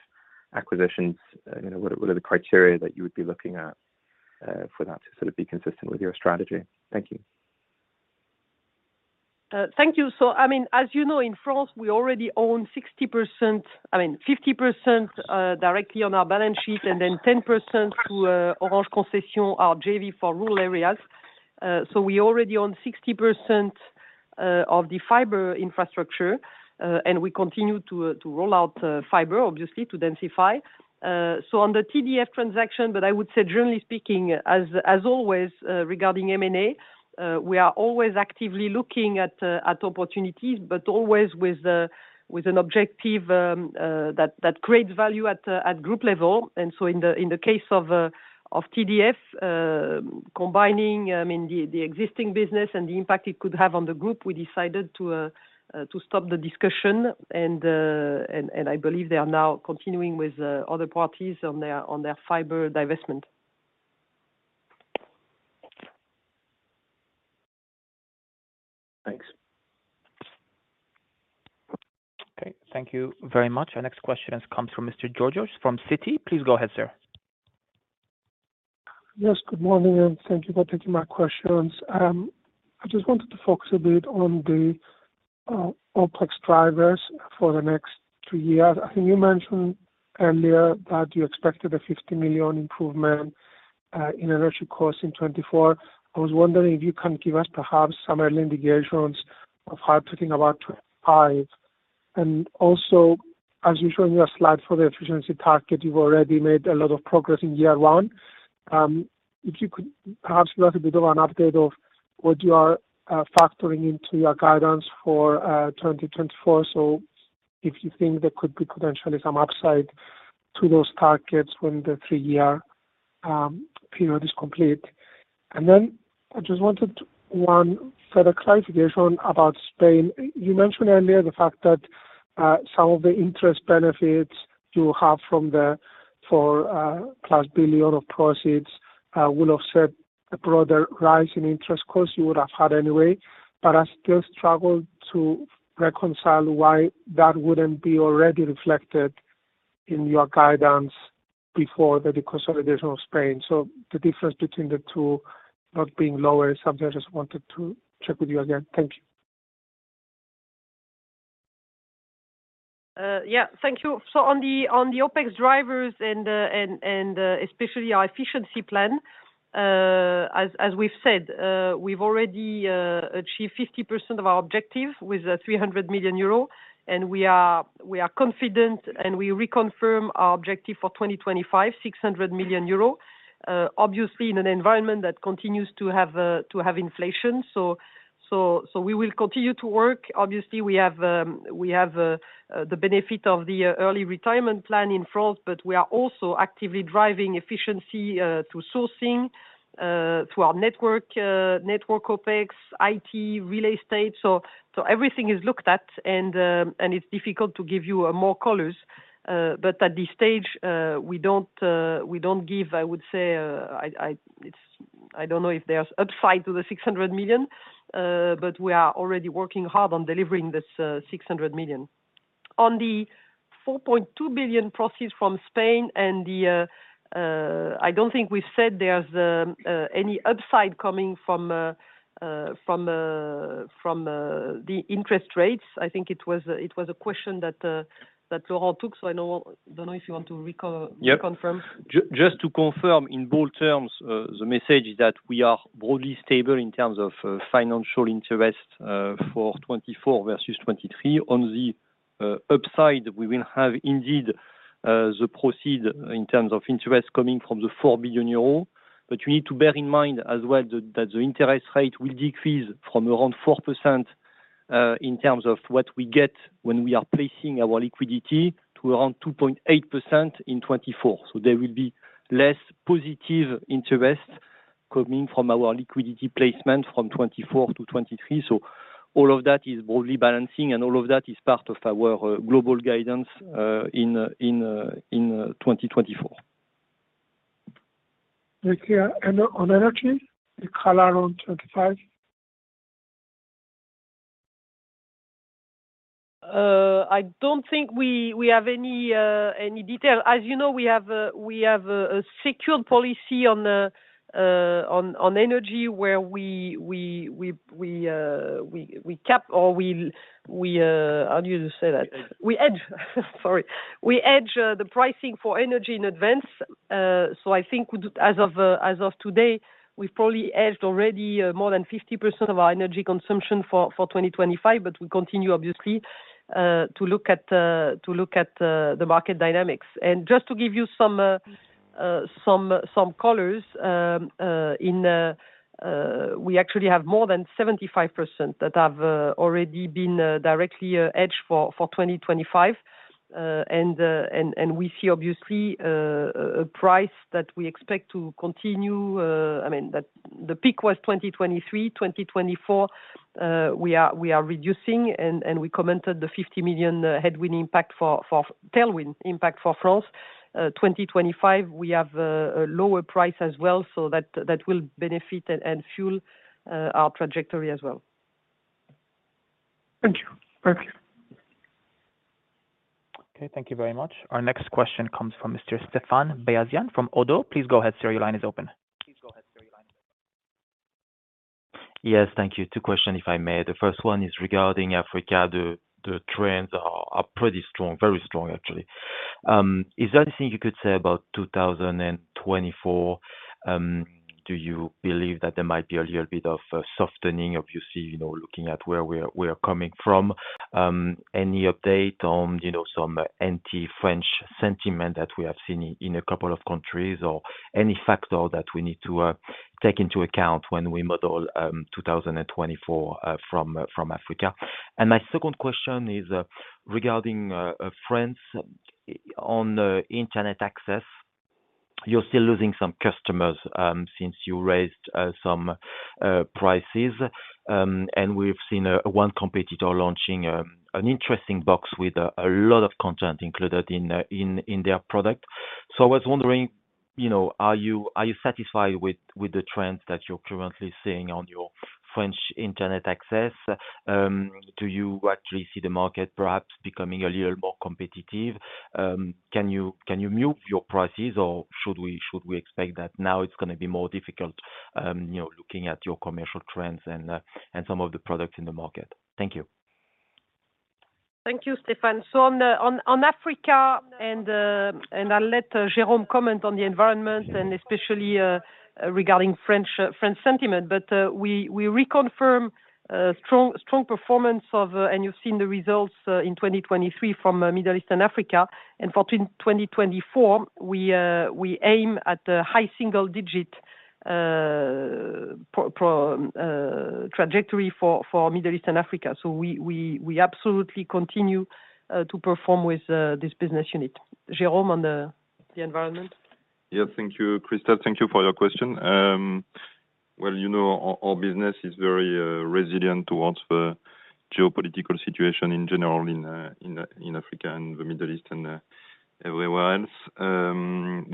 acquisitions? You know, what, what are the criteria that you would be looking at for that to sort of be consistent with your strategy? Thank you. Thank you. So, I mean, as you know, in France, we already own 60% I mean, 50%, directly on our balance sheet, and then 10% through Orange Concessions, our JV for rural areas. So we already own 60% of the fiber infrastructure, and we continue to roll out fiber, obviously, to densify. So on the TDF transaction, but I would say generally speaking, as always, regarding M&A, we are always actively looking at opportunities, but always with an objective that creates value at group level. And so in the case of TDF, combining, I mean, the existing business and the impact it could have on the group, we decided to stop the discussion. I believe they are now continuing with other parties on their fiber divestment. Okay, thank you very much. Our next question comes from Mr. Georgios from Citi. Please go ahead, sir. Yes, good morning, and thank you for taking my questions. I just wanted to focus a bit on the OpEx drivers for the next two years. I think you mentioned earlier that you expected a 50 million improvement in energy costs in 2024. I was wondering if you can give us perhaps some early indications of how to think about 2025. And also, as you show in your slide for the efficiency target, you've already made a lot of progress in year 1. If you could perhaps give us a bit of an update of what you are factoring into your guidance for 2024. So if you think there could be potentially some upside to those targets when the 3-year period is complete. And then I just wanted one further clarification about Spain. You mentioned earlier the fact that, some of the interest benefits you have from the 4+ billion of proceeds, will offset a broader rise in interest costs you would have had anyway. But I still struggle to reconcile why that wouldn't be already reflected in your guidance before the deconsolidation of Spain. So the difference between the two not being lower is something I just wanted to check with you again. Thank you. Yeah, thank you. So on the OpEx drivers and especially our efficiency plan, as we've said, we've already achieved 50% of our objective with a 300 million euros, and we are confident, and we reconfirm our objective for 2025, 600 million euro. Obviously, in an environment that continues to have inflation. So we will continue to work. Obviously, we have the benefit of the early retirement plan in France, but we are also actively driving efficiency through sourcing, through our network, network OpEx, IT, real estate. So everything is looked at, and it's difficult to give you more colors. But at this stage, we don't, we don't give, I would say, I don't know if there's upside to the 600 million, but we are already working hard on delivering this 600 million. On the 4.2 billion proceeds from Spain and the, I don't think we said there's any upside coming from the interest rates. I think it was a question that Laurent took, so I know, I don't know if you want to reconfirm. Yeah. Just to confirm, in bold terms, the message is that we are broadly stable in terms of financial interest for 2024 versus 2023. On the upside, we will have indeed the proceeds in terms of interest coming from the 4 billion euro. But you need to bear in mind as well that the interest rate will decrease from around 4% in terms of what we get when we are placing our liquidity to around 2.8% in 2024. So there will be less positive interest coming from our liquidity placement from 2024 to 2023. So all of that is broadly balancing, and all of that is part of our global guidance in 2024. Thank you. And on energy, the color on 25? I don't think we have any detail. As you know, we have a secured policy on energy, where we cap or we how do you say that? We hedge. We hedge, sorry. We hedge the pricing for energy in advance. So I think as of today, we've probably hedged already more than 50% of our energy consumption for 2025, but we continue, obviously, to look at the market dynamics. And just to give you some colors, we actually have more than 75% that have already been directly hedged for 2025. And we see, obviously, a price that we expect to continue, I mean, that the peak was 2023. 2024, we are reducing, and we commented the 50 million tailwind impact for France. 2025, we have a lower price as well, so that, that will benefit and fuel our trajectory as well. Thank you. Thank you. Okay, thank you very much. Our next question comes from Mr. Stéphane Béyazian from Oddo. Please go ahead, sir. Your line is open. Yes, thank you. Two questions, if I may. The first one is regarding Africa. The trends are pretty strong, very strong, actually. Is there anything you could say about 2024? Do you believe that there might be a little bit of a softening, obviously, you know, looking at where we are, we are coming from? Any update on, you know, some anti-French sentiment that we have seen in a couple of countries or any factor that we need to take into account when we model 2024 from Africa? And my second question is regarding France on the internet access. You're still losing some customers since you raised some prices, and we've seen one competitor launching an interesting box with a lot of content included in their product. So I was wondering, you know, are you satisfied with the trends that you're currently seeing on your French internet access? Do you actually see the market perhaps becoming a little more competitive? Can you cut your prices or should we expect that now it's gonna be more difficult, you know, looking at your commercial trends and some of the products in the market? Thank you. Thank you, Stéphane. So on Africa, and I'll let Jérôme comment on the environment and especially regarding French-France sentiment. But we reconfirm a strong performance, and you've seen the results in 2023 from Middle East and Africa. And for 2024, we aim at the high single-digit trajectory for Middle East and Africa. So we absolutely continue to perform with this business unit. Jérôme, on the environment. Yes. Thank you, Christel. Thank you for your question. Well, you know, our business is very resilient towards the geopolitical situation in general in Africa and the Middle East and everywhere else.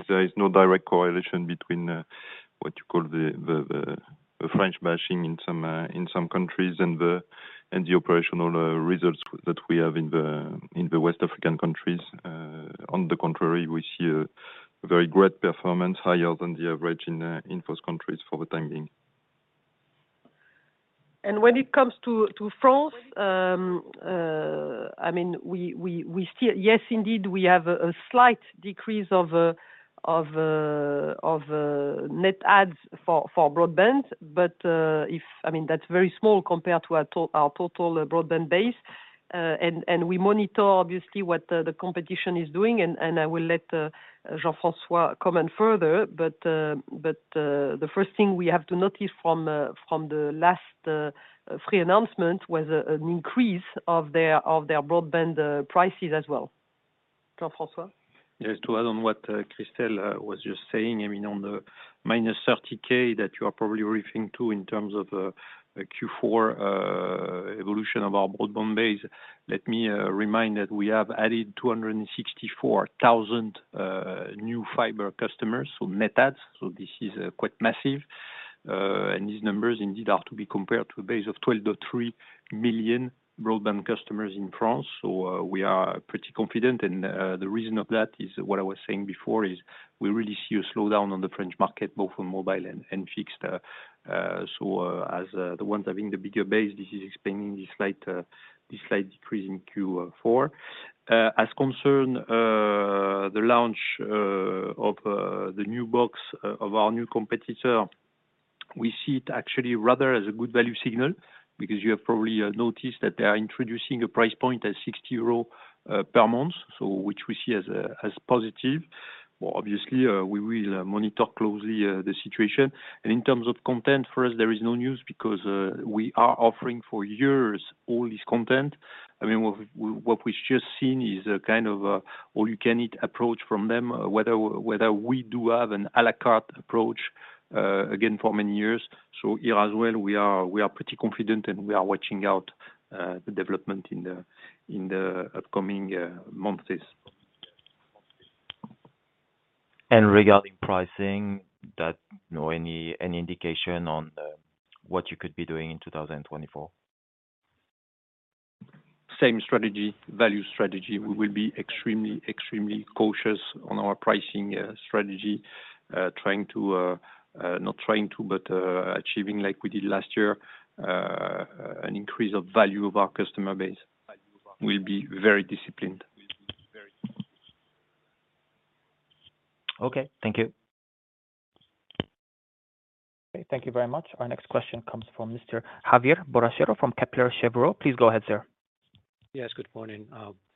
There is no direct correlation between what you call the French bashing in some countries and the operational results that we have in the West African countries. On the contrary, we see a very great performance, higher than the average in those countries for the time being. And when it comes to France, I mean, we still—yes, indeed, we have a slight decrease of net adds for broadband, but if—I mean, that's very small compared to our total broadband base. And we monitor, obviously, what the competition is doing, and I will let Jean-François comment further. But the first thing we have to notice from the last Free announcement was an increase of their broadband prices as well. Jean-François? Yes, to add on what Christel was just saying, I mean, on the minus 30k that you are probably referring to in terms of Q4 evolution of our broadband base, let me remind that we have added 264,000 new fiber customers, so net adds. So this is quite massive. And these numbers indeed are to be compared to a base of 12.3 million broadband customers in France. So we are pretty confident. And the reason of that is what I was saying before, is we really see a slowdown on the French market, both on mobile and fixed. So as the ones having the bigger base, this is explaining this slight decrease in Q4. As concerns the launch of the new box of our new competitor, we see it actually rather as a good value signal, because you have probably noticed that they are introducing a price point at 60 euros per month, so which we see as positive. Well, obviously, we will monitor closely the situation. And in terms of content for us, there is no news because we are offering for years all this content. I mean, what we've just seen is a kind of all you can eat approach from them, whether we do have an à la carte approach again, for many years. So here as well, we are pretty confident and we are watching out the development in the upcoming months. Regarding pricing, you know, any indication on what you could be doing in 2024? Same strategy, value strategy. We will be extremely, extremely cautious on our pricing strategy, not trying to, but achieving like we did last year, an increase of value of our customer base. We'll be very disciplined. Okay. Thank you. Okay, thank you very much. Our next question comes from Mr. Javier Borrachero from Kepler Cheuvreux. Please go ahead, sir. Yes, good morning.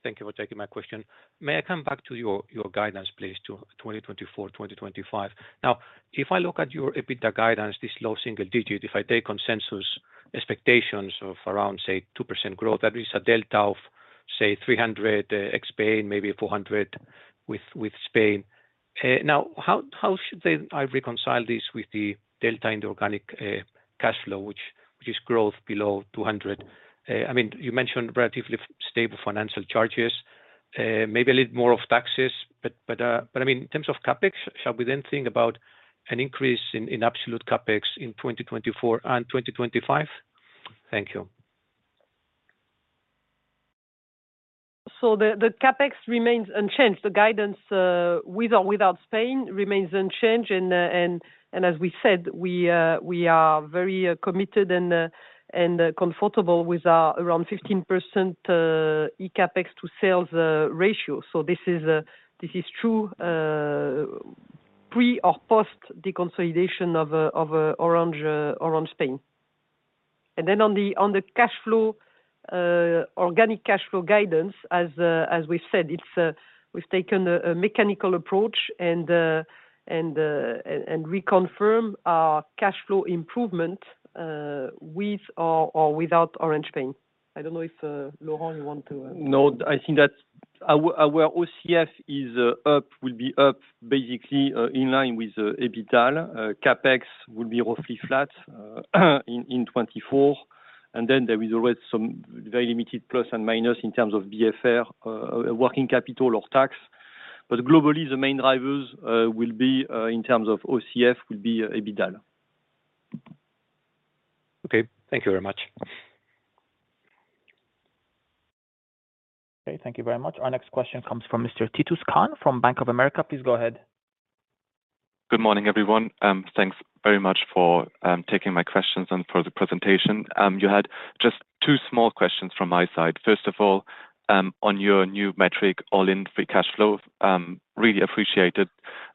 Thank you for taking my question. May I come back to your guidance, please, to 2024, 2025? Now, if I look at your EBITDA guidance, this low single digit, if I take consensus expectations of around, say, 2% growth, that is a delta of, say, 300 ex-Spain, maybe 400 with Spain. Now, how should I reconcile this with the delta in the organic cash flow, which is growth below 200? I mean, you mentioned relatively stable financial charges, maybe a little more of taxes, but, but I mean, in terms of CapEx, shall we then think about an increase in absolute CapEx in 2024 and 2025? Thank you. So the CapEx remains unchanged. The guidance with or without Spain remains unchanged. And as we said, we are very committed and comfortable with our around 15% CapEx to sales ratio. So this is true pre or post deconsolidation of Orange Spain. And then on the cash flow organic cash flow guidance, as we said, we've taken a mechanical approach and reconfirm our cash flow improvement with or without Orange Spain. I don't know if Laurent, you want to- No, I think that's our OCF is up, will be up, basically in line with EBITDA. CapEx will be roughly flat in 2024. And then there is always some very limited plus and minus in terms of BFR, working capital or tax. But globally, the main drivers, will be, in terms of OCF, will be EBITDA. Okay, thank you very much. Okay, thank you very much. Our next question comes from Mr. Titus Krahn from Bank of America. Please go ahead. Good morning, everyone. Thanks very much for taking my questions and for the presentation. You had just two small questions from my side. First of all, on your new metric, all-in Free Cash Flow, really appreciated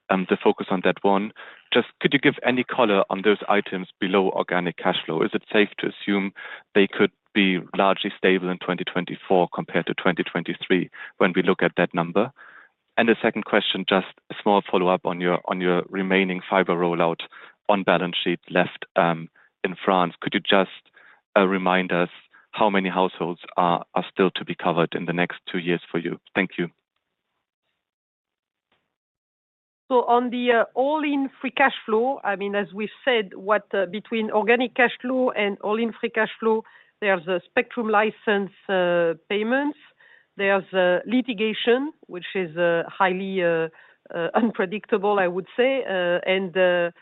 the focus on that one. Just could you give any color on those items below organic Cash Flow? Is it safe to assume they could be largely stable in 2024 compared to 2023 when we look at that number? And the second question, just a small follow-up on your remaining fiber rollout on balance sheet left in France. Could you just remind us how many households are still to be covered in the next two years for you? Thank you. So on the all-in free cash flow, I mean, as we've said, between organic cash flow and all-in free cash flow, there's spectrum license payments, there's a litigation, which is highly unpredictable, I would say, and the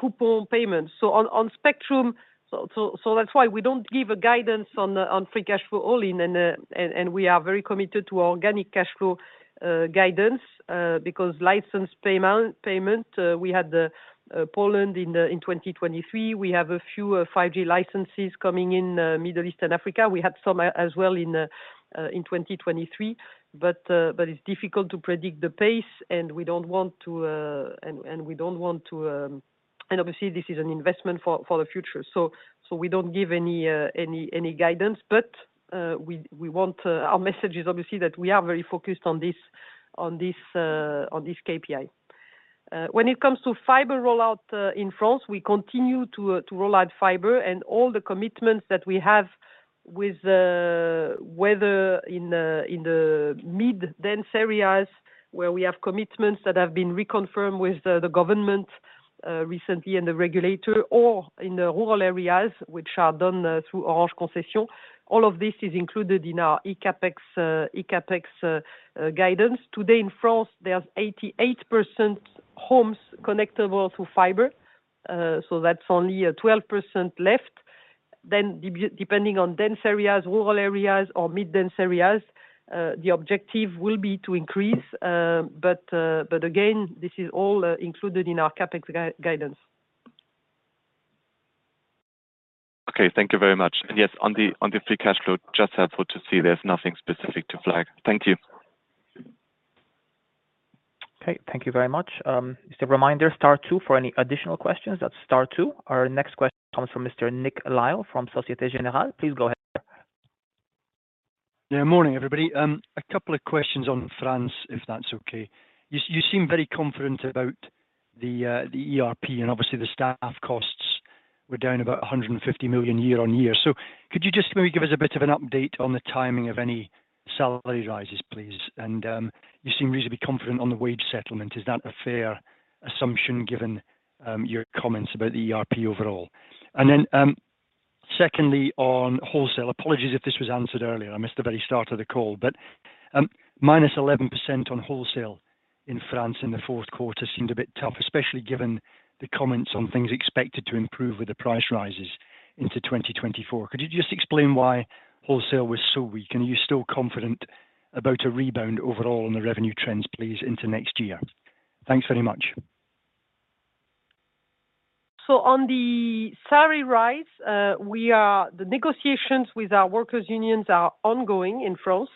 coupon payments. So on spectrum, that's why we don't give a guidance on free cash flow all-in, and we are very committed to organic cash flow guidance, because license payments, we had the Poland in 2023. We have a few 5G licenses coming in Middle East and Africa. We had some as well in 2023, but it's difficult to predict the pace, and we don't want to and obviously, this is an investment for the future. So we don't give any guidance, but we want to our message is obviously that we are very focused on this KPI. When it comes to fiber rollout in France, we continue to roll out fiber and all the commitments that we have with the, whether in the mid-dense areas, where we have commitments that have been reconfirmed with the government recently and the regulator or in the rural areas, which are done through Orange Concessions. All of this is included in our eCAPEX guidance. Today, in France, there's 88% homes connectable to fiber, so that's only a 12% left. Then, depending on dense areas, rural areas, or mid-dense areas, the objective will be to increase, but, but again, this is all included in our CapEx guidance. Okay. Thank you very much. Yes, on the, on the free cash flow, just helpful to see there's nothing specific to flag. Thank you. Okay. Thank you very much. Just a reminder, star two for any additional questions. That's star two. Our next question comes from Mr. Nick Lyall from Société Générale. Please go ahead. Yeah. Morning, everybody. A couple of questions on France, if that's okay. You, you seem very confident about the, the ERP, and obviously, the staff costs were down about 150 million year-on-year. So could you just maybe give us a bit of an update on the timing of any salary rises, please? And, you seem reasonably confident on the wage settlement. Is that a fair assumption, given, your comments about the ERP overall? And then, secondly, on wholesale. Apologies if this was answered earlier. I missed the very start of the call, but, -11% on wholesale in France in the fourth quarter seemed a bit tough, especially given the comments on things expected to improve with the price rises into 2024. Could you just explain why wholesale was so weak? Are you still confident about a rebound overall on the revenue trends, please, into next year? Thanks very much. So on the salary rise, the negotiations with our workers' unions are ongoing in France,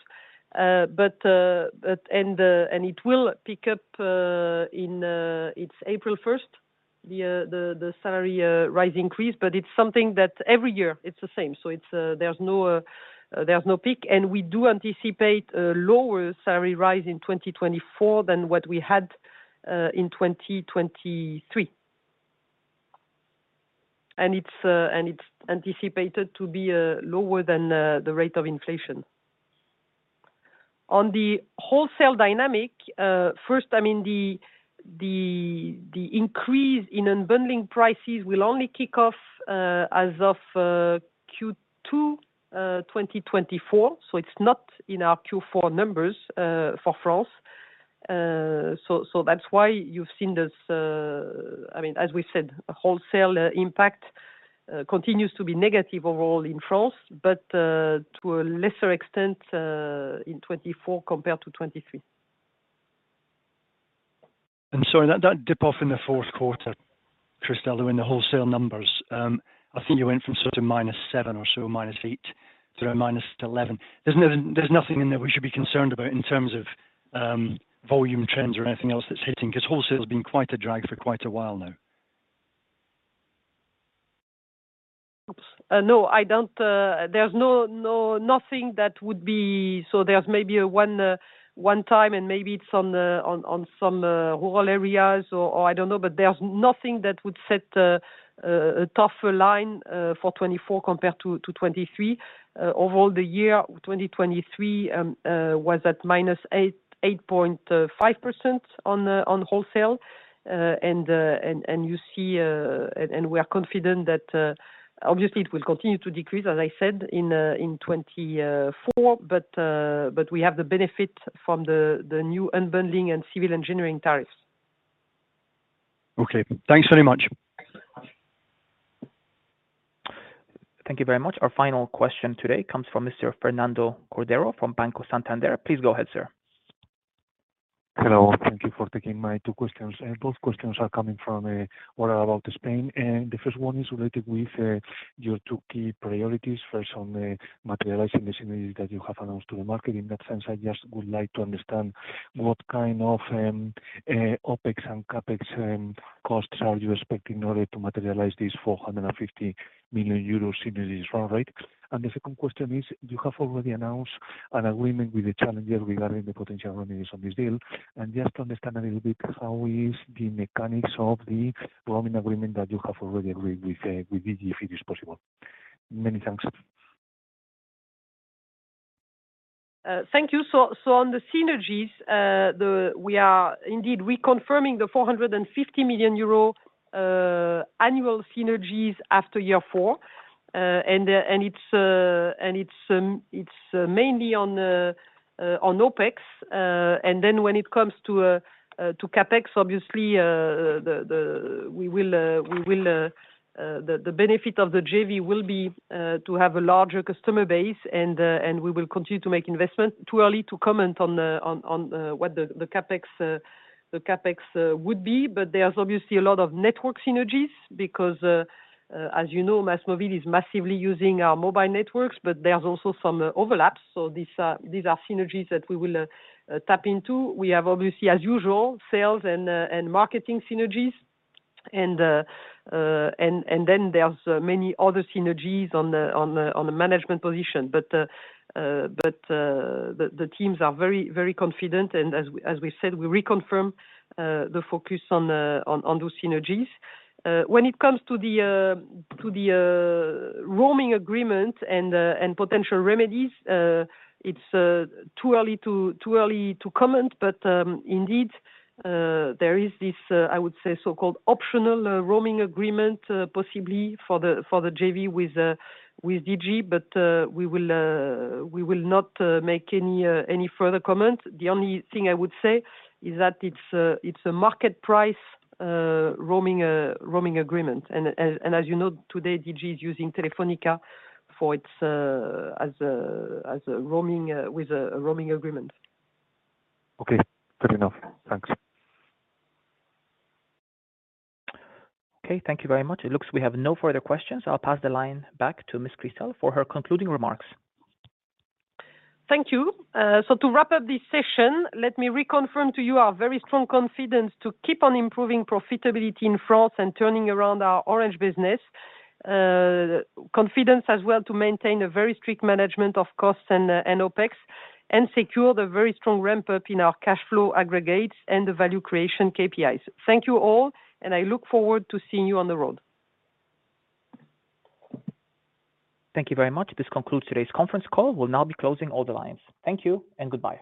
but it will pick up. It's April 1, the salary rise increase, but it's something that every year it's the same. So it's, there's no peak, and we do anticipate a lower salary rise in 2024 than what we had in 2023. And it's anticipated to be lower than the rate of inflation. On the wholesale dynamic, first, I mean, the increase in unbundling prices will only kick off as of Q2 2024, so it's not in our Q4 numbers for France. So that's why you've seen this, I mean, as we said, wholesale impact continues to be negative overall in France, but to a lesser extent in 2024 compared to 2023. I'm sorry, that dip off in the fourth quarter, Christel, in the wholesale numbers, I think you went from sort of -7 or so, -8 to around -11. There's nothing, there's nothing in there we should be concerned about in terms of, volume trends or anything else that's hitting? Because wholesale has been quite a drag for quite a while now. Oops, no, I don't, there's no, no, nothing that would be. So there's maybe a one-time, and maybe it's on some rural areas or I don't know, but there's nothing that would set a tougher line for 2024 compared to 2023. Overall, the year 2023 was at -8.5% on wholesale. And you see, and we are confident that, obviously, it will continue to decrease, as I said, in 2024, but we have the benefit from the new unbundling and civil engineering tariffs. Okay. Thanks very much. Thank you very much. Our final question today comes from Mr. Fernando Cordero from Banco Santander. Please go ahead, sir. Hello. Thank you for taking my two questions, and both questions are coming from what about Spain? The first one is related with your two key priorities. First, on materializing the synergies that you have announced to the market. In that sense, I just would like to understand what kind of OpEx and CapEx costs are you expecting in order to materialize these 450 million euros synergies run, right? And the second question is, you have already announced an agreement with the challenger regarding the potential remedies on this deal, and just to understand a little bit, how is the mechanics of the roaming agreement that you have already agreed with DG, if it is possible? Many thanks. Thank you. So on the synergies, we are indeed reconfirming the 450 million euro annual synergies after year four. And it's mainly on OpEx. And then when it comes to CapEx, obviously, the benefit of the JV will be to have a larger customer base, and we will continue to make investment. Too early to comment on what the CapEx would be, but there's obviously a lot of network synergies because, as you know, MásMóvil is massively using our mobile networks, but there's also some overlaps. So these are synergies that we will tap into. We have obviously, as usual, sales and marketing synergies, and then there's many other synergies on the management position. But the teams are very confident, and as we said, we reconfirm the focus on those synergies. When it comes to the roaming agreement and potential remedies, it's too early to comment, but indeed, there is this, I would say, so-called optional roaming agreement, possibly for the JV with DG, but we will not make any further comments. The only thing I would say is that it's a market price roaming agreement. As you know, today, DG is using Telefónica for its roaming with a roaming agreement. Okay, fair enough. Thanks. Okay, thank you very much. It looks we have no further questions. I'll pass the line back to Miss Christel for her concluding remarks. Thank you. So to wrap up this session, let me reconfirm to you our very strong confidence to keep on improving profitability in France and turning around our Orange Business. Confidence as well to maintain a very strict management of costs and OpEx, and secure the very strong ramp-up in our cash flow aggregates and the value creation KPIs. Thank you all, and I look forward to seeing you on the road. Thank you very much. This concludes today's conference call. We'll now be closing all the lines. Thank you and goodbye.